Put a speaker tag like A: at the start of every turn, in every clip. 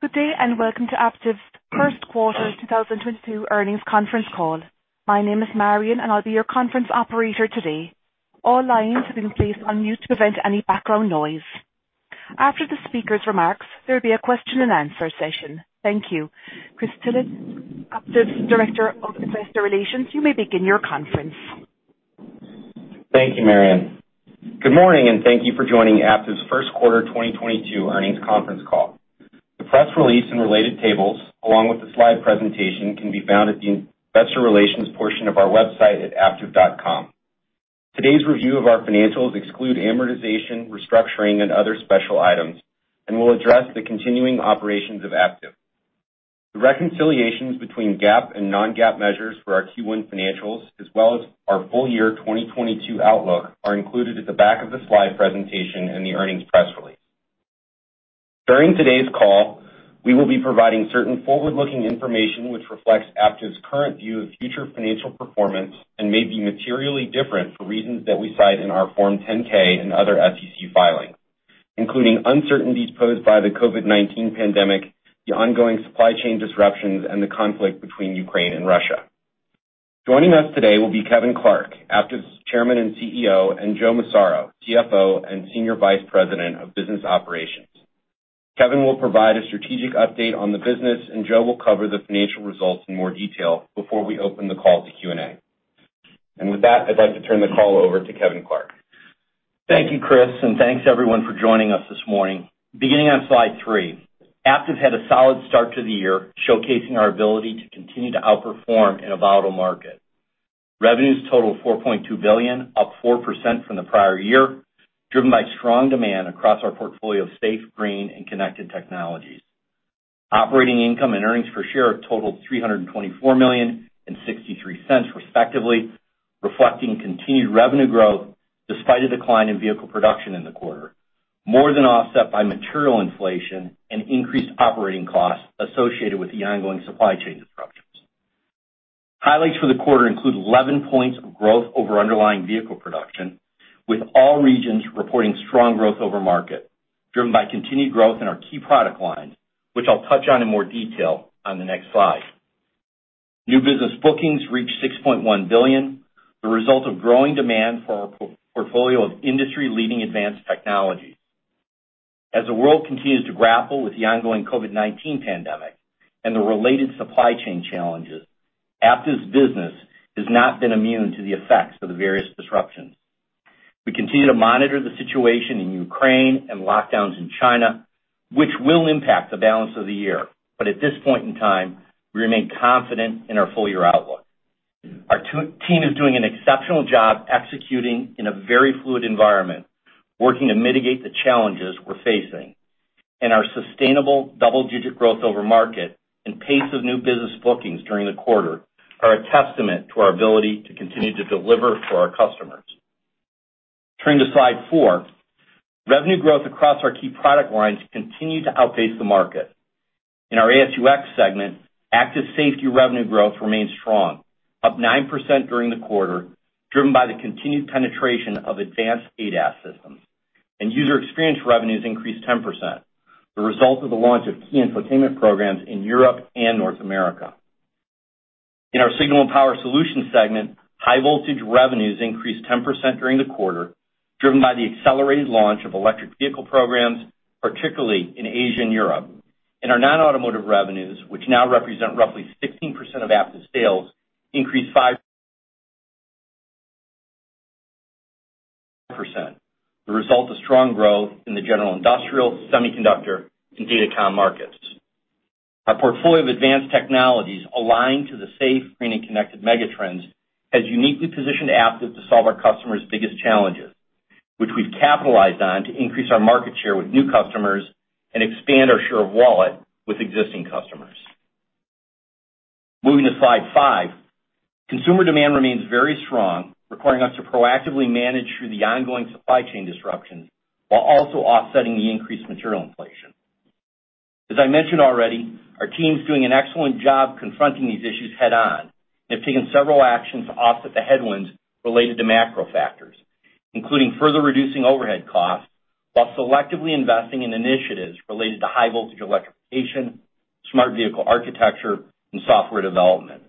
A: Good day, and welcome to Aptiv's first quarter 2022 earnings conference call. My name is Marion, and I'll be your conference operator today. All lines have been placed on mute to prevent any background noise. After the speaker's remarks, there'll be a question-and-answer session. Thank you. Christopher Tillett, Aptiv's Director of Investor Relations, you may begin your conference.
B: Thank you, Marion. Good morning, and thank you for joining Aptiv's first quarter 2022 earnings conference call. The press release and related tables, along with the slide presentation, can be found at the investor relations portion of our website at aptiv.com. Today's review of our financials exclude amortization, restructuring, and other special items, and will address the continuing operations of Aptiv. The reconciliations between GAAP and non-GAAP measures for our Q1 financials, as well as our full year 2022 outlook, are included at the back of the slide presentation in the earnings press release. During today's call, we will be providing certain forward-looking information which reflects Aptiv's current view of future financial performance and may be materially different for reasons that we cite in our Form 10-K and other SEC filings, including uncertainties posed by the COVID-19 pandemic, the ongoing supply chain disruptions, and the conflict between Ukraine and Russia. Joining us today will be Kevin Clark, Aptiv's Chairman and CEO, and Joe Massaro, CFO and Senior Vice President of Business Operations. Kevin will provide a strategic update on the business, and Joe will cover the financial results in more detail before we open the call to Q&A. With that, I'd like to turn the call over to Kevin Clark.
C: Thank you, Chris. Thanks everyone for joining us this morning. Beginning on slide three, Aptiv had a solid start to the year, showcasing our ability to continue to outperform in a volatile market. Revenues totaled $4.2 billion, up 4% from the prior year, driven by strong demand across our portfolio of safe, green, and connected technologies. Operating income and earnings per share totaled $324 million and $0.63 respectively, reflecting continued revenue growth despite a decline in vehicle production in the quarter, more than offset by material inflation and increased operating costs associated with the ongoing supply chain disruptions. Highlights for the quarter include 11 points of growth over underlying vehicle production, with all regions reporting strong growth over market, driven by continued growth in our key product lines, which I'll touch on in more detail on the next slide. New business bookings reached $6.1 billion, the result of growing demand for our portfolio of industry-leading advanced technologies. As the world continues to grapple with the ongoing COVID-19 pandemic and the related supply chain challenges, Aptiv's business has not been immune to the effects of the various disruptions. We continue to monitor the situation in Ukraine and lockdowns in China, which will impact the balance of the year. At this point in time, we remain confident in our full-year outlook. Our team is doing an exceptional job executing in a very fluid environment, working to mitigate the challenges we're facing. Our sustainable double-digit growth over market and pace of new business bookings during the quarter are a testament to our ability to continue to deliver for our customers. Turning to slide four. Revenue growth across our key product lines continue to outpace the market. In our AS&UX segment, Active Safety revenue growth remains strong, up 9% during the quarter, driven by the continued penetration of advanced ADAS systems. User Experience revenues increased 10%, the result of the launch of key infotainment programs in Europe and North America. In our Signal & Power Solutions segment, high voltage revenues increased 10% during the quarter, driven by the accelerated launch of electric vehicle programs, particularly in Asia and Europe. Our non-automotive revenues, which now represent roughly 16% of Aptiv's sales, increased 5%, the result of strong growth in the general industrial, semiconductor, and datacom markets. Our portfolio of advanced technologies aligned to the safe, green, and connected megatrends has uniquely positioned Aptiv to solve our customers' biggest challenges, which we've capitalized on to increase our market share with new customers and expand our share of wallet with existing customers. Moving to Slide 5. Consumer demand remains very strong, requiring us to proactively manage through the ongoing supply chain disruptions while also offsetting the increased material inflation. As I mentioned already, our team's doing an excellent job confronting these issues head on. They've taken several actions to offset the headwinds related to macro factors, including further reducing overhead costs while selectively investing in initiatives related to high voltage electrification, Smart Vehicle Architecture, and software development.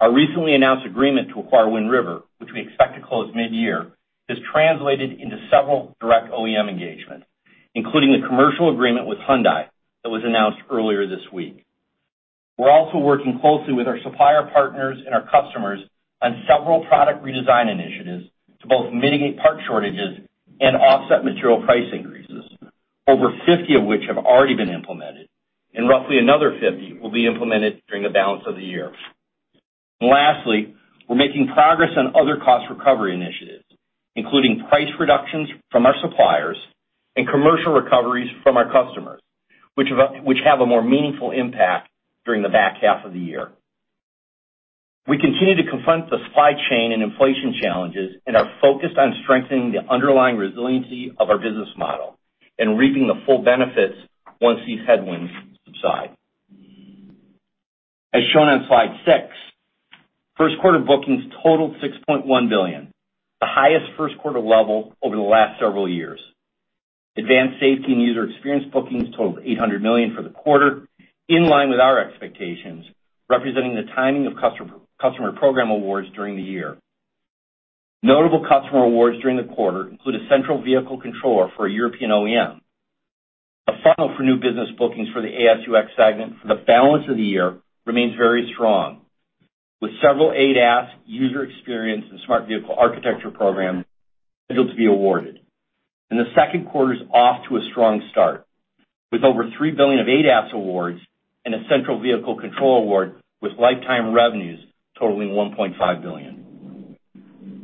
C: Our recently announced agreement to acquire Wind River, which we expect to close mid-year, has translated into several direct OEM engagements, including the commercial agreement with Hyundai that was announced earlier this week. We're also working closely with our supplier partners and our customers on several product redesign initiatives to both mitigate part shortages and offset material price increases, over 50 of which have already been implemented, and roughly another 50 will be implemented during the balance of the year. Lastly, we're making progress on other cost recovery initiatives, including price reductions from our suppliers and commercial recoveries from our customers, which have a more meaningful impact during the back half of the year. We continue to confront the supply chain and inflation challenges, and are focused on strengthening the underlying resiliency of our business model and reaping the full benefits once these headwinds subside. As shown on slide six, first quarter bookings totaled $6.1 billion, the highest first quarter level over the last several years. Advanced Safety & User Experience bookings totaled $800 million for the quarter, in line with our expectations, representing the timing of customer program awards during the year. Notable customer awards during the quarter include a central vehicle controller for a European OEM. The funnel for new business bookings for the AS&UX segment for the balance of the year remains very strong, with several ADAS user experience and smart vehicle architecture programs scheduled to be awarded. The second quarter's off to a strong start, with over $3 billion of ADAS awards and a central vehicle control award with lifetime revenues totaling $1.5 billion.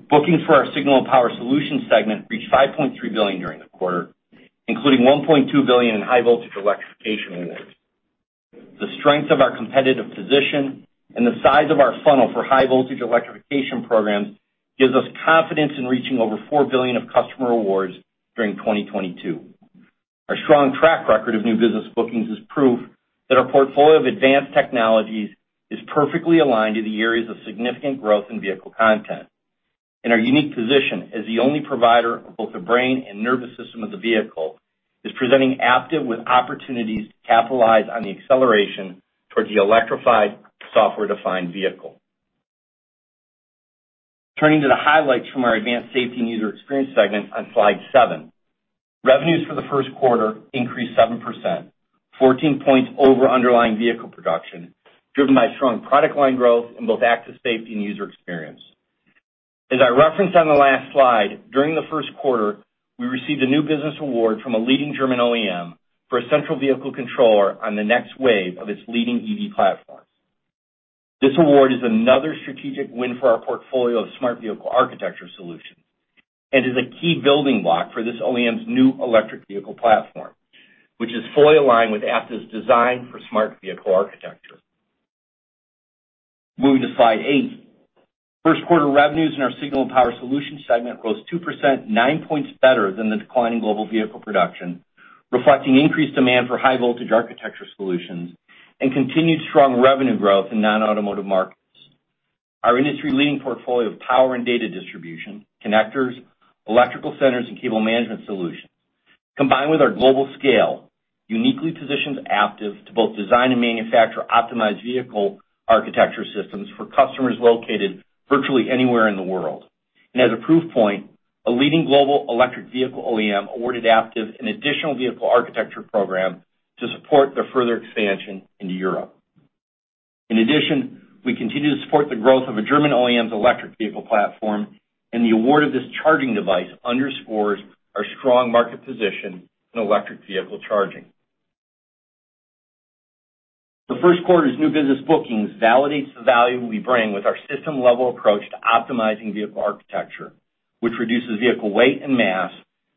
C: Bookings for our Signal & Power Solutions segment reached $5.3 billion during the quarter, including $1.2 billion in high voltage electrification awards. The strength of our competitive position and the size of our funnel for high voltage electrification programs gives us confidence in reaching over $4 billion of customer awards during 2022. Our strong track record of new business bookings is proof that our portfolio of advanced technologies is perfectly aligned to the areas of significant growth in vehicle content. Our unique position as the only provider of both the brain and nervous system of the vehicle is presenting Aptiv with opportunities to capitalize on the acceleration towards the electrified software-defined vehicle. Turning to the highlights from our Advanced Safety & User Experience segment on slide 7. Revenues for the first quarter increased 7%, 14 points over underlying vehicle production, driven by strong product line growth in both Active Safety and User Experience. As I referenced on the last slide, during the first quarter, we received a new business award from a leading German OEM for a central vehicle controller on the next wave of its leading EV platform. This award is another strategic win for our portfolio of Smart Vehicle Architecture solutions and is a key building block for this OEM's new electric vehicle platform, which is fully aligned with Aptiv's design for Smart Vehicle Architecture. Moving to slide eight. First quarter revenues in our Signal & Power Solutions segment rose 2%, nine points better than the decline in global vehicle production, reflecting increased demand for high voltage architecture solutions and continued strong revenue growth in non-automotive markets. Our industry-leading portfolio of power and data distribution, connectors, electrical centers and cable management solutions, combined with our global scale, uniquely positions Aptiv to both design and manufacture optimized vehicle architecture systems for customers located virtually anywhere in the world. As a proof point, a leading global electric vehicle OEM awarded Aptiv an additional vehicle architecture program to support their further expansion into Europe. In addition, we continue to support the growth of a German OEM's electric vehicle platform, and the award of this charging device underscores our strong market position in electric vehicle charging. The first quarter's new business bookings validates the value we bring with our system-level approach to optimizing vehicle architecture, which reduces vehicle weight and mass,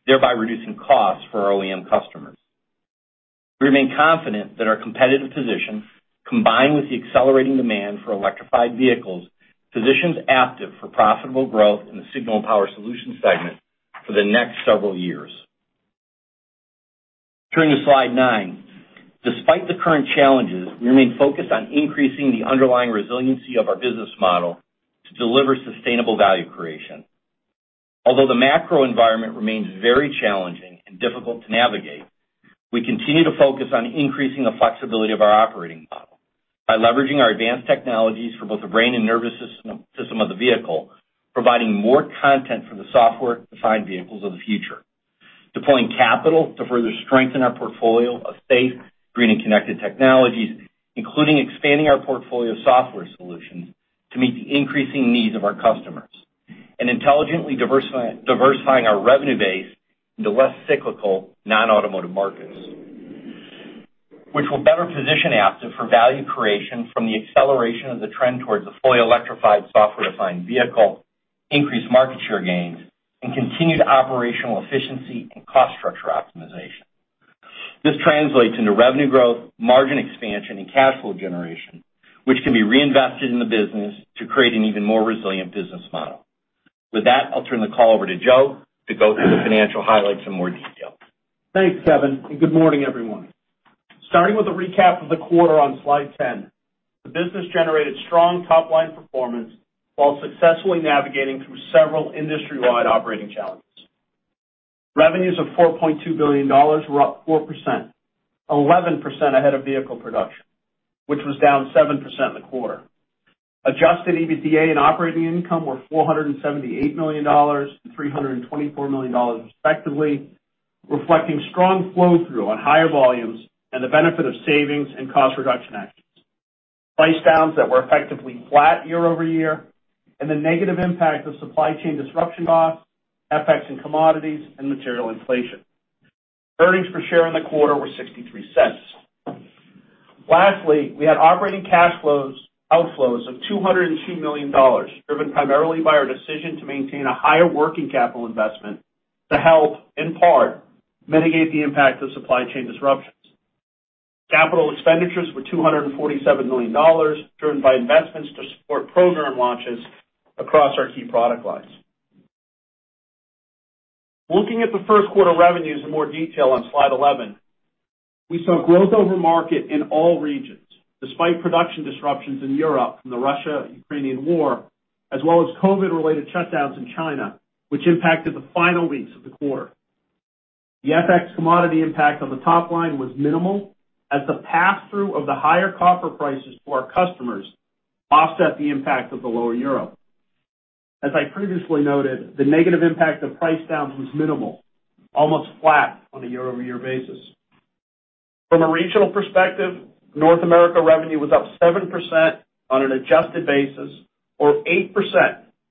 C: thereby reducing costs for our OEM customers. We remain confident that our competitive position, combined with the accelerating demand for electrified vehicles, positions Aptiv for profitable growth in the Signal & Power Solutions segment for the next several years. Turning to slide nine. Despite the current challenges, we remain focused on increasing the underlying resiliency of our business model to deliver sustainable value creation. Although the macro environment remains very challenging and difficult to navigate, we continue to focus on increasing the flexibility of our operating model by leveraging our advanced technologies for both the brain and nervous system of the vehicle, providing more content for the software-defined vehicles of the future. Deploying capital to further strengthen our portfolio of safe, green and connected technologies, including expanding our portfolio of software solutions to meet the increasing needs of our customers. intelligently diversifying our revenue base into less cyclical non-automotive markets, which will better position Aptiv for value creation from the acceleration of the trend towards a fully electrified software-defined vehicle, increased market share gains, and continued operational efficiency and cost structure optimization. This translates into revenue growth, margin expansion and cash flow generation, which can be reinvested in the business to create an even more resilient business model. With that, I'll turn the call over to Joe to go through the financial highlights in more detail.
D: Thanks, Kevin, and good morning, everyone. Starting with a recap of the quarter on slide 10, the business generated strong top-line performance while successfully navigating through several industry-wide operating challenges. Revenues of $4.2 billion were up 4%, 11% ahead of vehicle production, which was down 7% in the quarter. Adjusted EBITDA and operating income were $478 million and $324 million, respectively, reflecting strong flow-through on higher volumes and the benefit of savings and cost reduction actions, price downs that were effectively flat year-over-year, and the negative impact of supply chain disruption costs, FX, commodities, and material inflation. Earnings per share in the quarter were $0.63. Lastly, we had operating cash flows, outflows of $202 million, driven primarily by our decision to maintain a higher working capital investment to help, in part, mitigate the impact of supply chain disruptions. Capital expenditures were $247 million, driven by investments to support program launches across our key product lines. Looking at the first-quarter revenues in more detail on slide 11. We saw growth over market in all regions, despite production disruptions in Europe from the Russia-Ukraine war, as well as COVID-related shutdowns in China, which impacted the final weeks of the quarter. The FX commodity impact on the top line was minimal as the pass-through of the higher copper prices to our customers offset the impact of the lower Euro. As I previously noted, the negative impact of price downs was minimal, almost flat on a year-over-year basis. From a regional perspective, North America revenue was up 7% on an adjusted basis or 8%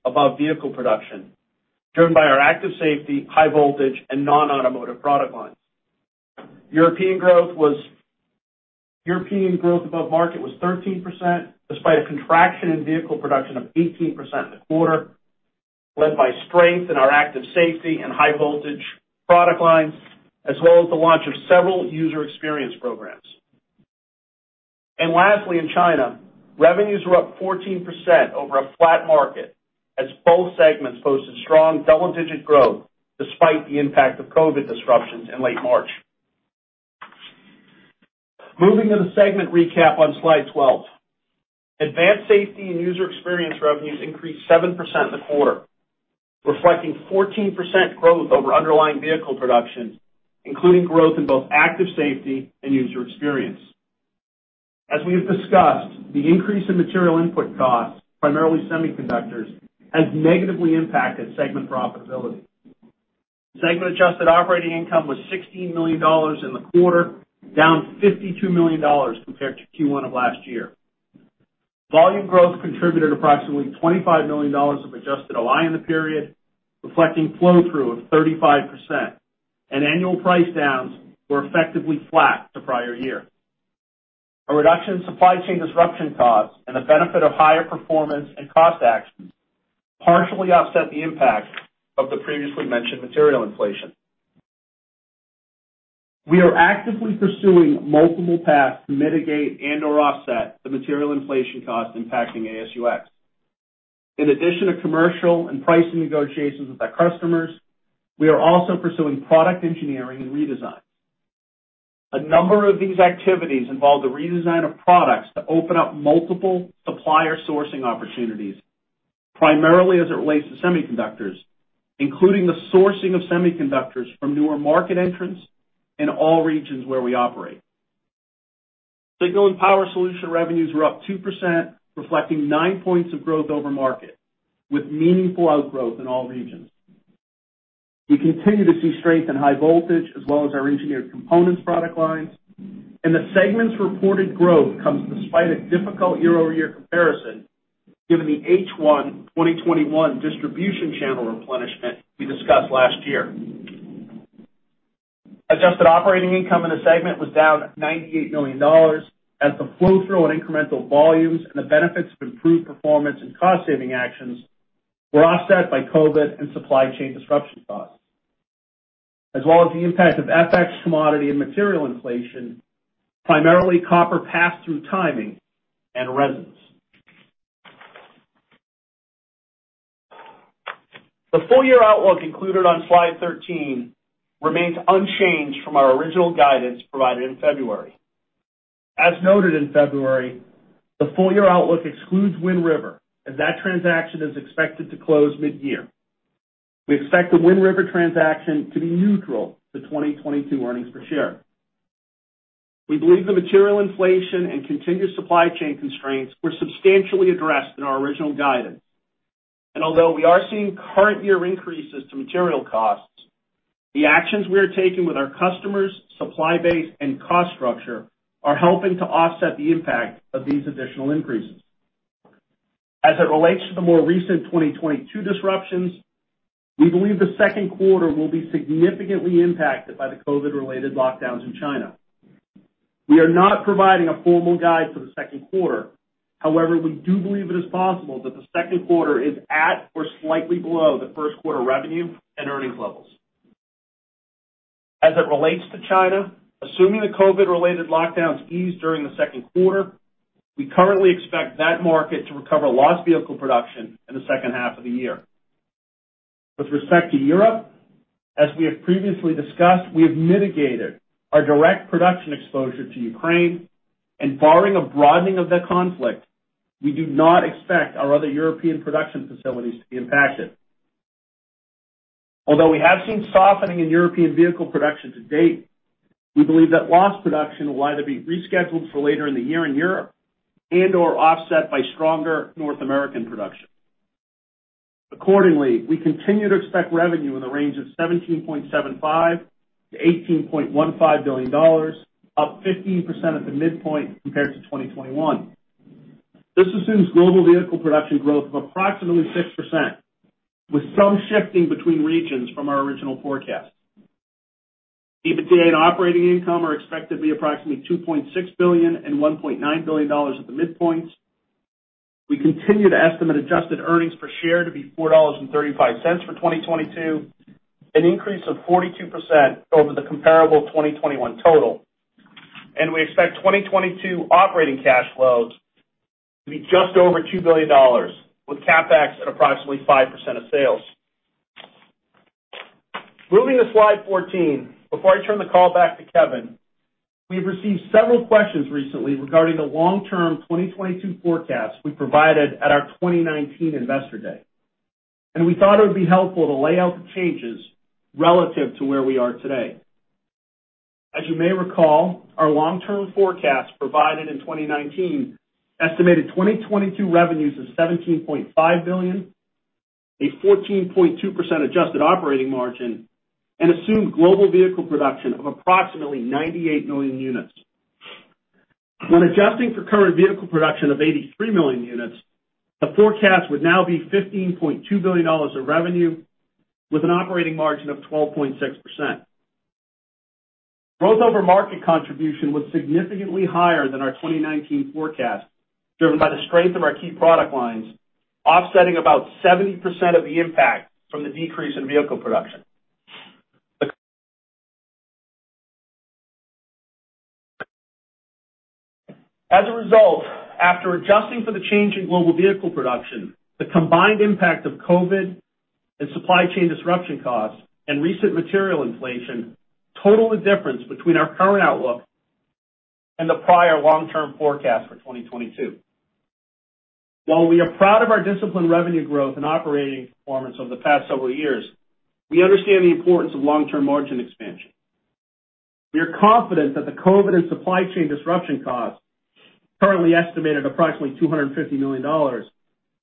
D: above vehicle production, driven by our Active Safety, high voltage and non-automotive product lines. European growth above market was 13% despite a contraction in vehicle production of 18% in the quarter, led by strength in our Active Safety and high voltage product lines, as well as the launch of several User Experience programs. Lastly, in China, revenues were up 14% over a flat market as both segments posted strong double-digit growth despite the impact of COVID disruptions in late March. Moving to the segment recap on slide 12. Advanced Safety & User Experience revenues increased 7% in the quarter, reflecting 14% growth over underlying vehicle production, including growth in both Active Safety and User Experience. As we have discussed, the increase in material input costs, primarily semiconductors, has negatively impacted segment profitability. Segment adjusted operating income was $16 million in the quarter, down $52 million compared to Q1 of last year. Volume growth contributed approximately $25 million of adjusted OI in the period, reflecting flow-through of 35%, and annual price downs were effectively flat to prior year. A reduction in supply chain disruption costs and the benefit of higher performance and cost actions partially offset the impact of the previously mentioned material inflation. We are actively pursuing multiple paths to mitigate and/or offset the material inflation costs impacting AS&UX. In addition to commercial and pricing negotiations with our customers, we are also pursuing product engineering and redesigns. A number of these activities involve the redesign of products to open up multiple supplier sourcing opportunities, primarily as it relates to semiconductors, including the sourcing of semiconductors from newer market entrants in all regions where we operate. Signal & Power Solutions revenues were up 2%, reflecting 9 points of growth over market, with meaningful outgrowth in all regions. We continue to see strength in high voltage as well as our Engineered Components product lines, and the segment's reported growth comes despite a difficult year-over-year comparison given the H1 2021 distribution channel replenishment we discussed last year. Adjusted operating income in the segment was down $98 million as the flow-through on incremental volumes and the benefits of improved performance and cost saving actions were offset by COVID-19 and supply chain disruption costs, as well as the impact of FX commodity and material inflation, primarily copper pass-through timing and resins. The full-year outlook included on slide 13 remains unchanged from our original guidance provided in February. As noted in February, the full-year outlook excludes Wind River, as that transaction is expected to close mid-year. We expect the Wind River transaction to be neutral to 2022 earnings per share. We believe the material inflation and continued supply chain constraints were substantially addressed in our original guidance. Although we are seeing current year increases to material costs, the actions we are taking with our customers, supply base and cost structure are helping to offset the impact of these additional increases. As it relates to the more recent 2022 disruptions, we believe the second quarter will be significantly impacted by the COVID-related lockdowns in China. We are not providing a formal guide for the second quarter. However, we do believe it is possible that the second quarter is at or slightly below the first quarter revenue and earnings levels. As it relates to China, assuming the COVID-related lockdowns ease during the second quarter, we currently expect that market to recover lost vehicle production in the second half of the year. With respect to Europe, as we have previously discussed, we have mitigated our direct production exposure to Ukraine, and barring a broadening of that conflict, we do not expect our other European production facilities to be impacted. Although we have seen softening in European vehicle production to date, we believe that lost production will either be rescheduled for later in the year in Europe and/or offset by stronger North American production. Accordingly, we continue to expect revenue in the range of $17.75 billion-$18.15 billion, up 15% at the midpoint compared to 2021. This assumes global vehicle production growth of approximately 6%, with some shifting between regions from our original forecast. EBITDA and operating income are expected to be approximately $2.6 billion and $1.9 billion at the midpoint. We continue to estimate adjusted earnings per share to be $4.35 for 2022, an increase of 42% over the comparable 2021 total. We expect 2022 operating cash flows to be just over $2 billion with CapEx at approximately 5% of sales. Moving to slide 14, before I turn the call back to Kevin, we've received several questions recently regarding the long-term 2022 forecast we provided at our 2019 Investor Day. We thought it would be helpful to lay out the changes relative to where we are today. As you may recall, our long-term forecast provided in 2019 estimated 2022 revenues of $17.5 billion, a 14.2% adjusted operating margin, and assumed global vehicle production of approximately 98 million units. When adjusting for current vehicle production of 83 million units, the forecast would now be $15.2 billion of revenue with an operating margin of 12.6%. Growth over market contribution was significantly higher than our 2019 forecast, driven by the strength of our key product lines, offsetting about 70% of the impact from the decrease in vehicle production. As a result, after adjusting for the change in global vehicle production, the combined impact of COVID and supply chain disruption costs and recent material inflation total the difference between our current outlook and the prior long-term forecast for 2022. While we are proud of our disciplined revenue growth and operating performance over the past several years, we understand the importance of long-term margin expansion. We are confident that the COVID and supply chain disruption costs, currently estimated approximately $250 million,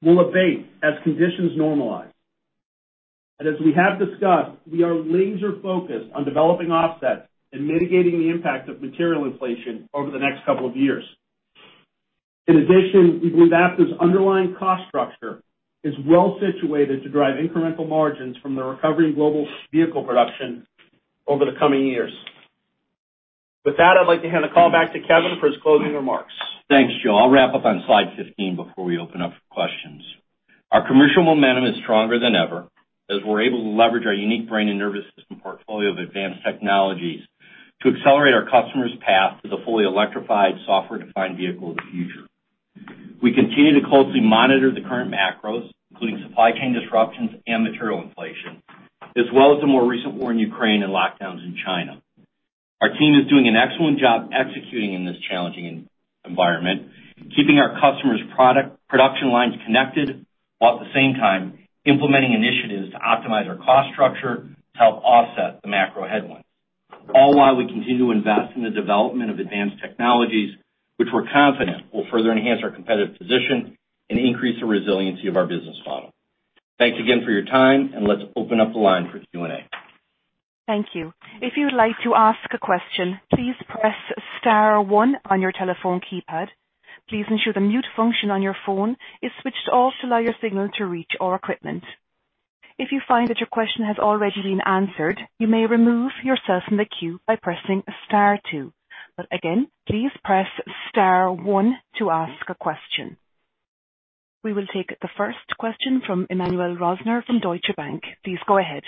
D: will abate as conditions normalize. As we have discussed, we are laser-focused on developing offsets and mitigating the impact of material inflation over the next couple of years. In addition, we believe Aptiv's underlying cost structure is well situated to drive incremental margins from the recovery in global vehicle production over the coming years. With that, I'd like to hand the call back to Kevin for his closing remarks.
C: Thanks, Joe. I'll wrap up on slide 15 before we open up for questions. Our commercial momentum is stronger than ever, as we're able to leverage our unique brain and nervous system portfolio of advanced technologies to accelerate our customers' path to the fully electrified software-defined vehicle of the future. We continue to closely monitor the current macros, including supply chain disruptions and material inflation, as well as the more recent war in Ukraine and lockdowns in China. Our team is doing an excellent job executing in this challenging environment, keeping our customers' production lines connected, while at the same time implementing initiatives to optimize our cost structure to help offset the macro headwinds. All while we continue to invest in the development of advanced technologies which we're confident will further enhance our competitive position and increase the resiliency of our business model. Thanks again for your time, and let's open up the line for Q&A.
A: Thank you. If you would like to ask a question, please press star one on your telephone keypad. Please ensure the mute function on your phone is switched off to allow your signal to reach our equipment. If you find that your question has already been answered, you may remove yourself from the queue by pressing star two. Again, please press star one to ask a question. We will take the first question from Emmanuel Rosner from Deutsche Bank. Please go ahead.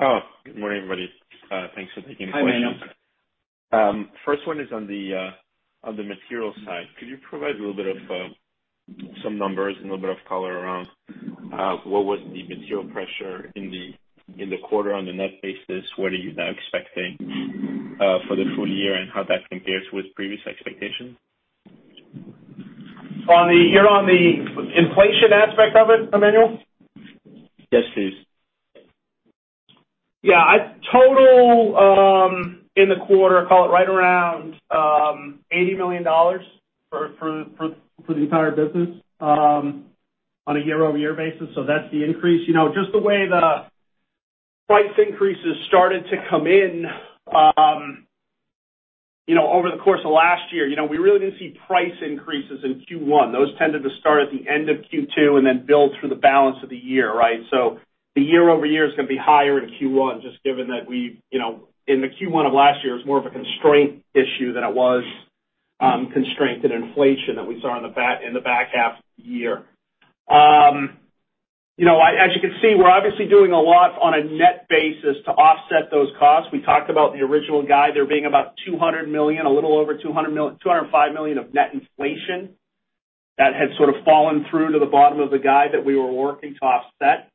E: Oh, good morning, everybody. Thanks for taking the question.
C: Hi, Emmanuel.
E: First one is on the material side. Could you provide a little bit of some numbers and a little bit of color around what was the material pressure in the quarter on the net basis? What are you now expecting for the full year and how that compares with previous expectations?
D: You're on the inflation aspect of it, Emmanuel?
E: Yes, please.
D: Yeah. Total, in the quarter, call it right around $80 million for the entire business, on a year-over-year basis. That's the increase. You know, just the way the price increases started to come in, you know, over the course of last year, you know, we really didn't see price increases in Q1. Those tended to start at the end of Q2 and then build through the balance of the year, right? The year-over-year is gonna be higher in Q1, just given that you know, in the Q1 of last year, it was more of a constraint issue than it was, constraint and inflation that we saw in the back half of the year. You know, as you can see, we're obviously doing a lot on a net basis to offset those costs. We talked about the original guide there being about $200 million, a little over $200 million, $205 million of net inflation that had sort of fallen through to the bottom of the guide that we were working to offset.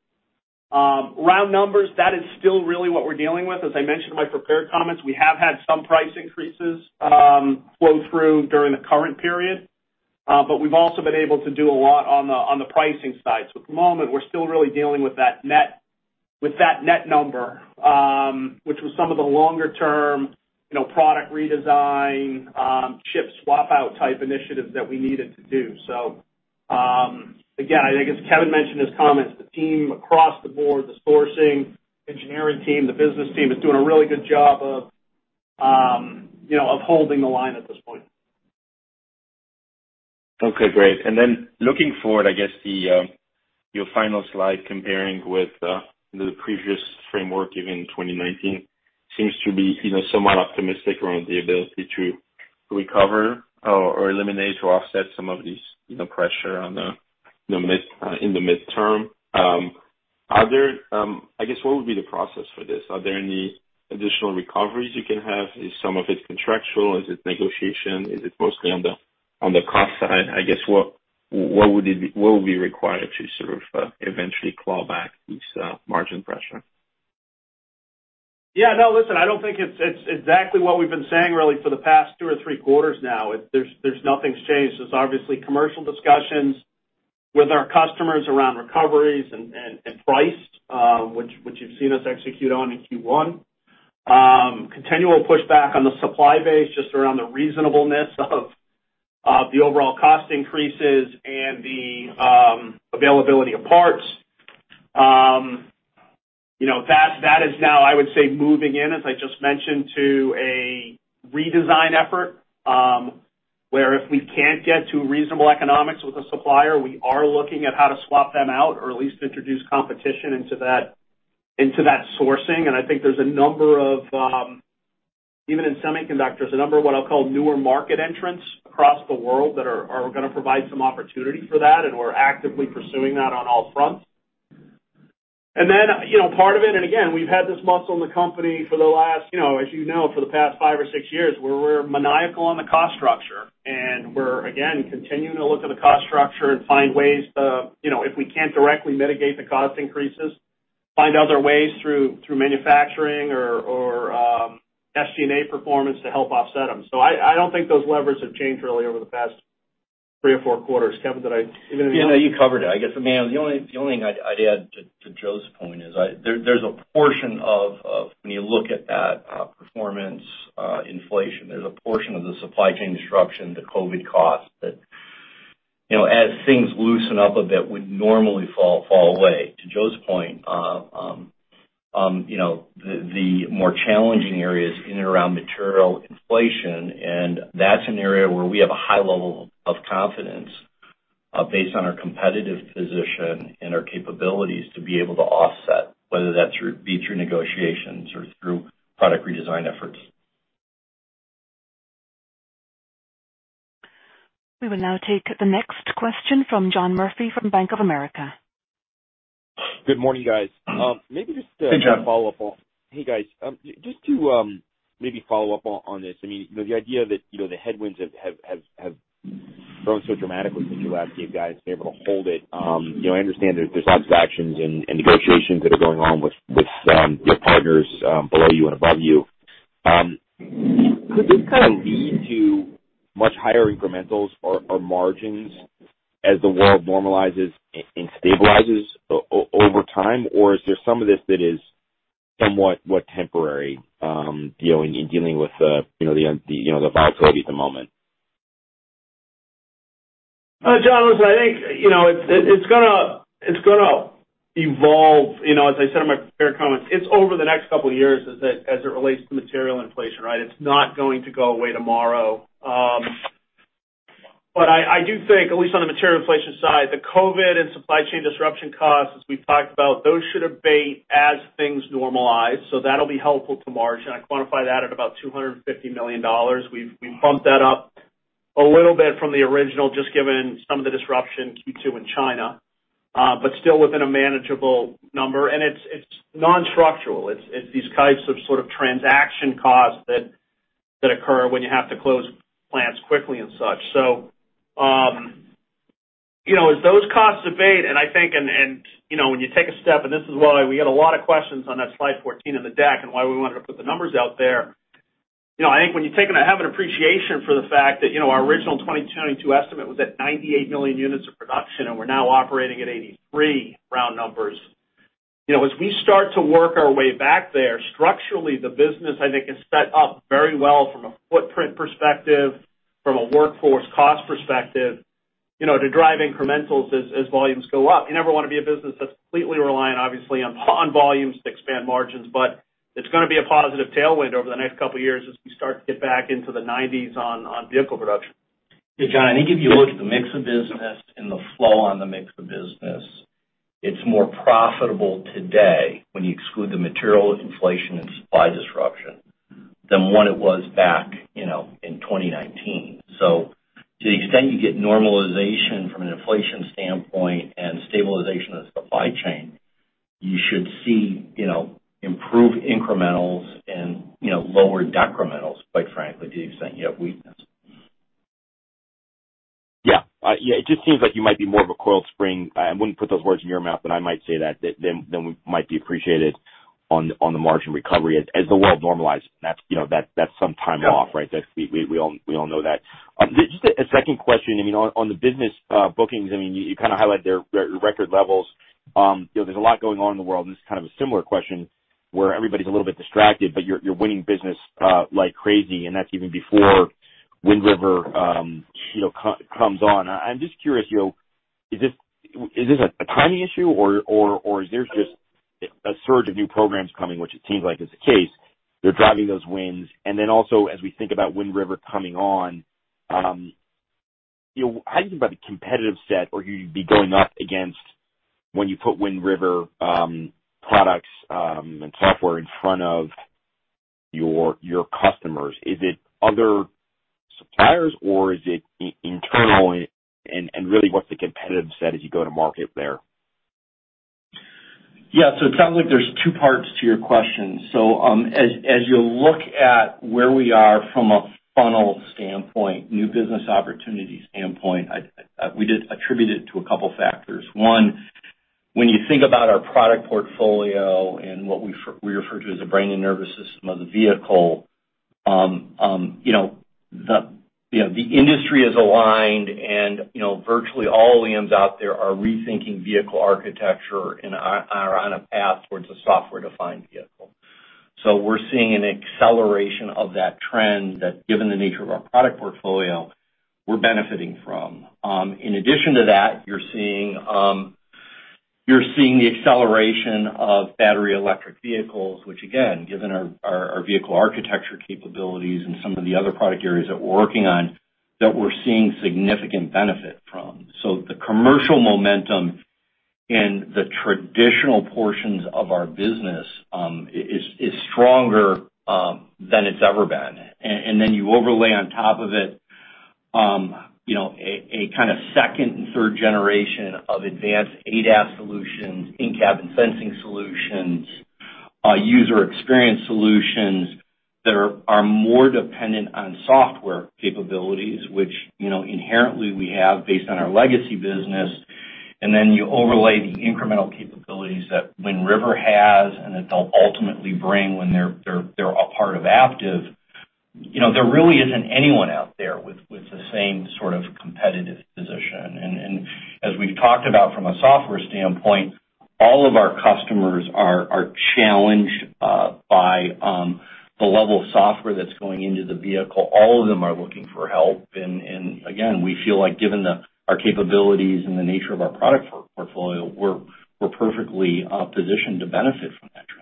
D: Round numbers, that is still really what we're dealing with. As I mentioned in my prepared comments, we have had some price increases flow through during the current period, but we've also been able to do a lot on the pricing side. At the moment, we're still really dealing with that net number, which was some of the longer term, you know, product redesign, chip swap out type initiatives that we needed to do. Again, I guess Kevin mentioned in his comments, the team across the board, the sourcing, engineering team, the business team is doing a really good job of, you know, upholding the line at this point.
E: Okay, great. Then looking forward, I guess your final slide comparing with the previous framework given 2019 seems to be, you know, somewhat optimistic around the ability to recover or eliminate or offset some of these, you know, pressure on the midterm. Are there, I guess what would be the process for this? Are there any additional recoveries you can have? Is some of it contractual? Is it negotiation? Is it mostly on the cost side? I guess what would be required to sort of eventually claw back this margin pressure?
D: Yeah, no, listen, I don't think it's exactly what we've been saying really for the past two or three quarters now. There's nothing's changed. There's obviously commercial discussions with our customers around recoveries and price, which you've seen us execute on in Q1. Continual pushback on the supply base, just around the reasonableness of the overall cost increases and the availability of parts. You know, that is now, I would say, moving in, as I just mentioned, to a redesign effort, where if we can't get to reasonable economics with a supplier, we are looking at how to swap them out or at least introduce competition into that sourcing. I think there's a number of even in semiconductors, there's a number of what I'll call newer market entrants across the world that are gonna provide some opportunity for that, and we're actively pursuing that on all fronts. Then, you know, part of it, and again, we've had this muscle in the company for the last, you know, as you know, for the past five or six years, where we're maniacal on the cost structure. We're again continuing to look at the cost structure and find ways to, you know, if we can't directly mitigate the cost increases, find other ways through manufacturing or SG&A performance to help offset them. I don't think those levers have changed really over the past three or four quarters. Kevin, did I leave anything out?
C: Yeah, no, you covered it. I guess, I mean, the only thing I'd add to Joe's point is there's a portion of when you look at that performance, inflation, there's a portion of the supply chain disruption, the COVID costs that, you know, as things loosen up a bit, would normally fall away. To Joe's point, you know, the more challenging areas in and around material inflation, and that's an area where we have a high level of confidence, based on our competitive position and our capabilities to be able to offset whether that's through be it through negotiations or through product redesign efforts.
A: We will now take the next question from John Murphy from Bank of America.
F: Good morning, guys. Maybe just,
D: Hey, John.
F: Hey, guys. Just to maybe follow up on this. I mean, you know, the idea that, you know, the headwinds have grown so dramatically since you last gave guidance and you're able to hold it. You know, I understand there's lots of actions and negotiations that are going on with your partners, below you and above you. Could this kind of lead to much higher incrementals or margins as the world normalizes and stabilizes over time? Or is there some of this that is somewhat more temporary, dealing with you know, the volatility at the moment?
D: John, listen, I think, you know, it's gonna evolve. You know, as I said in my prepared comments, it's over the next couple of years as it relates to material inflation, right? It's not going to go away tomorrow. I do think at least on the material inflation side, the COVID and supply chain disruption costs, as we've talked about, those should abate as things normalize. That'll be helpful to margin. I quantify that at about $250 million. We've bumped that up a little bit from the original just given some of the disruption in Q2 in China, but still within a manageable number. It's non-structural. It's these types of sort of transaction costs that occur when you have to close plants quickly and such. You know, as those costs abate and I think, you know, when you take a step and this is why we get a lot of questions on that slide 14 in the deck and why we wanted to put the numbers out there. You know, I think when you take and have an appreciation for the fact that, you know, our original 2022 estimate was at 98 million units of production, and we're now operating at 83, round numbers. You know, as we start to work our way back there, structurally the business I think is set up very well from a footprint perspective, from a workforce cost perspective, you know, to drive incrementals as volumes go up. You never wanna be a business that's completely reliant obviously on volumes to expand margins, but it's gonna be a positive tailwind over the next couple of years as we start to get back into the nineties on vehicle production.
C: Yeah, John, I think if you look at the mix of business and the flow on the mix of business, it's more profitable today when you exclude the material inflation and supply disruption than what it was back, you know, in 2019. To the extent you get normalization from an inflation standpoint and stabilization of the supply chain, you should see, you know, improved incrementals and, you know, lower decrementals, quite frankly, to the extent you have weakness.
F: Yeah. It just seems like you might be more of a coiled spring. I wouldn't put those words in your mouth, but I might say we might be appreciated on the margin recovery as the world normalizes. That's, you know, some time off, right? We all know that. Just a second question. I mean, on the business, bookings, I mean, you kind of highlight their record levels. You know, there's a lot going on in the world, and this is kind of a similar question where everybody's a little bit distracted, but you're winning business like crazy, and that's even before Wind River comes on. I'm just curious, you know, is this a timing issue, or is there just a surge of new programs coming, which it seems like is the case? They're driving those wins. Then also, as we think about Wind River coming on, you know, how do you think about the competitive set or who you'd be going up against when you put Wind River products and software in front of your customers? Is it other-
D: Buyers or is it internal, and really what the competitive set as you go to market there?
C: It sounds like there's two parts to your question. As you look at where we are from a funnel standpoint, new business opportunity standpoint, we just attribute it to a couple factors. One, when you think about our product portfolio and what we refer to as the brain and nervous system of the vehicle, you know, the industry is aligned and, you know, virtually all OEMs out there are rethinking vehicle architecture and are on a path towards a software-defined vehicle. We're seeing an acceleration of that trend that given the nature of our product portfolio we're benefiting from. In addition to that, you're seeing the acceleration of battery electric vehicles, which again, given our vehicle architecture capabilities and some of the other product areas that we're working on, that we're seeing significant benefit from. The commercial momentum in the traditional portions of our business is stronger than it's ever been. Then you overlay on top of it, you know, a kind of second and third generation of advanced ADAS solutions, in-cabin sensing solutions, User Experience solutions that are more dependent on software capabilities, which, you know, inherently we have based on our legacy business. Then you overlay the incremental capabilities that Wind River has, and that they'll ultimately bring when they're a part of Aptiv. You know, there really isn't anyone out there with the same sort of competitive position. As we've talked about from a software standpoint, all of our customers are challenged by the level of software that's going into the vehicle. All of them are looking for help. Again, we feel like given our capabilities and the nature of our product portfolio, we're perfectly positioned to benefit from that trend.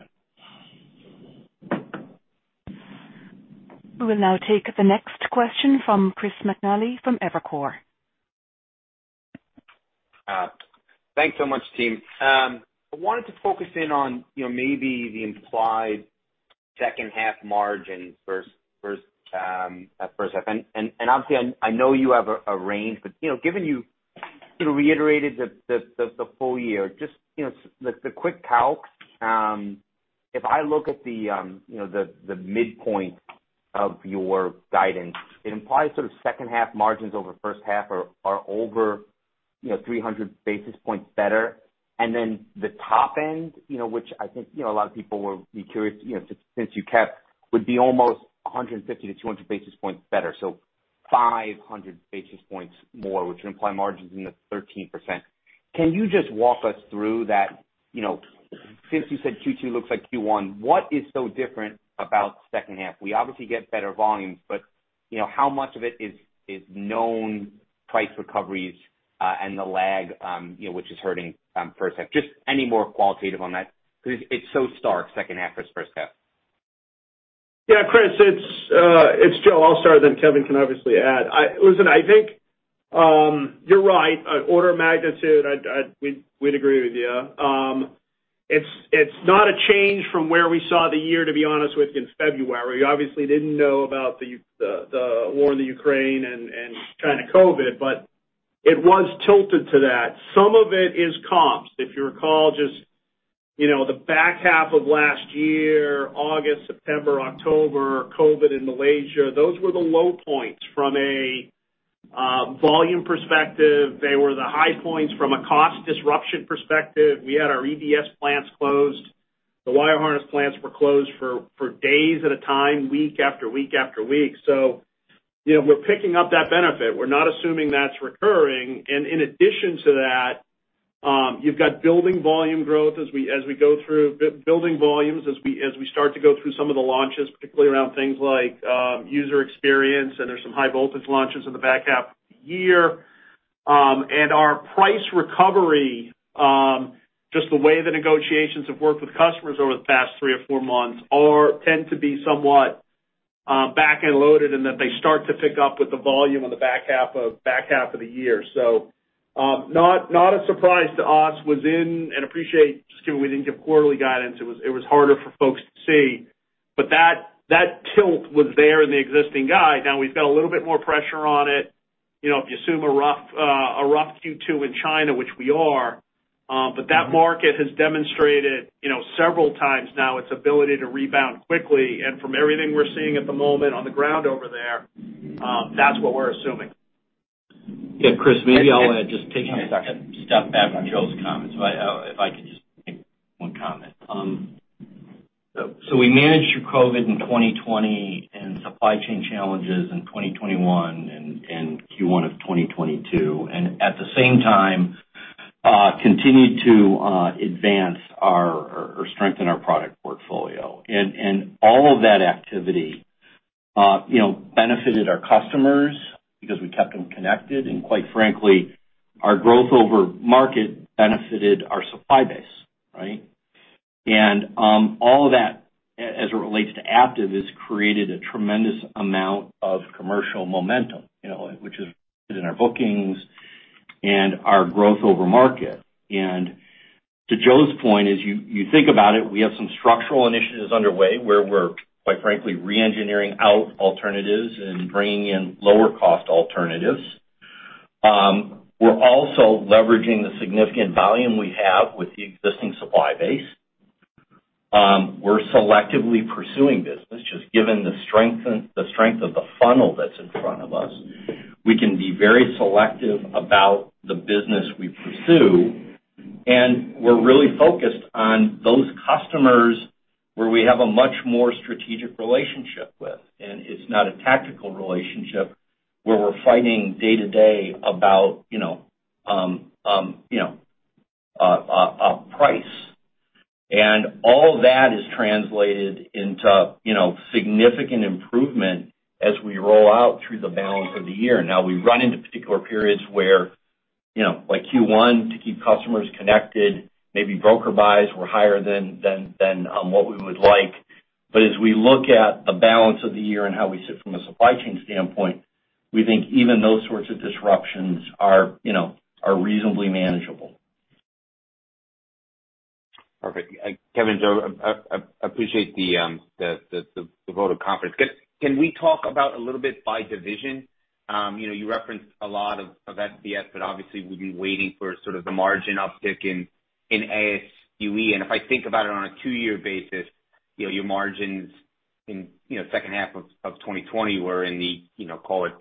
A: We will now take the next question from Chris McNally from Evercore.
G: Thanks so much, team. I wanted to focus in on, you know, maybe the implied second half margin first half. Obviously, I know you have a range, but, you know, given you sort of reiterated the full year, just, you know, the quick calc, if I look at the, you know, the midpoint of your guidance, it implies sort of second half margins over first half are over, you know, 300 basis points better. The top end, you know, which I think, you know, a lot of people will be curious, you know, since you kept, would be almost 150-200 basis points better. 500 basis points more, which would imply margins in the 13%. Can you just walk us through that, you know, since you said Q2 looks like Q1, what is so different about second half? We obviously get better volumes, but, you know, how much of it is known price recoveries, and the lag, you know, which is hurting first half? Just any more qualitative on that because it's so stark, second half versus first half.
D: Yeah, Chris, it's Joe. I'll start, then Kevin can obviously add. Listen, I think you're right. Order of magnitude, we'd agree with you. It's not a change from where we saw the year, to be honest with you, in February. Obviously didn't know about the war in the Ukraine and China COVID, but it was tilted to that. Some of it is comps. If you recall, just, you know, the back half of last year, August, September, October, COVID in Malaysia, those were the low points from a volume perspective. They were the high points from a cost disruption perspective. We had our EDS plants closed. The wire harness plants were closed for days at a time, week after week after week. So, you know, we're picking up that benefit. We're not assuming that's recurring. In addition to that, you've got building volume growth as we go through building volumes as we start to go through some of the launches, particularly around things like User Experience, and there's some high voltage launches in the back half of the year. Our price recovery, just the way the negotiations have worked with customers over the past three or four months, tend to be somewhat back-end loaded in that they start to pick up with the volume on the back half of the year. Not a surprise to us, wasn't, and I appreciate just given we didn't give quarterly guidance, it was harder for folks to see. But that tilt was there in the existing guide. Now we've got a little bit more pressure on it. You know, if you assume a rough Q2 in China, which we are, but that market has demonstrated, you know, several times now its ability to rebound quickly. From everything we're seeing at the moment on the ground over there, that's what we're assuming.
C: Yeah. Chris, maybe I'll add, just taking a second step back on Joe's comments, if I could just make one comment. So we managed through COVID in 2020 and supply chain challenges in 2021 and Q1 of 2022, and at the same time, continued to strengthen our product portfolio. All of that activity, you know, benefited our customers because we kept them connected, and quite frankly, our growth over market benefited our supply base, right? All of that as it relates to Aptiv has created a tremendous amount of commercial momentum, you know, which is in our bookings. Our growth over market. To Joe's point is you think about it, we have some structural initiatives underway where we're quite frankly re-engineering out alternatives and bringing in lower cost alternatives. We're also leveraging the significant volume we have with the existing supply base. We're selectively pursuing business just given the strength of the funnel that's in front of us, we can be very selective about the business we pursue, and we're really focused on those customers where we have a much more strategic relationship with. It's not a tactical relationship where we're fighting day-to-day about, you know, a price. All that is translated into, you know, significant improvement as we roll out through the balance of the year. Now we run into particular periods where, you know, like Q1 to keep customers connected, maybe broker buys were higher than what we would like. As we look at the balance of the year and how we sit from a supply chain standpoint, we think even those sorts of disruptions are, you know, are reasonably manageable.
G: Perfect. Kevin, Joe, I appreciate the vote of confidence. Can we talk about a little bit by division? You know, you referenced a lot of SPS, but obviously we've been waiting for sort of the margin uptick in AS&UX. If I think about it on a two-year basis, you know, your margins in, you know, the second half of 2020 were in the, you know, call it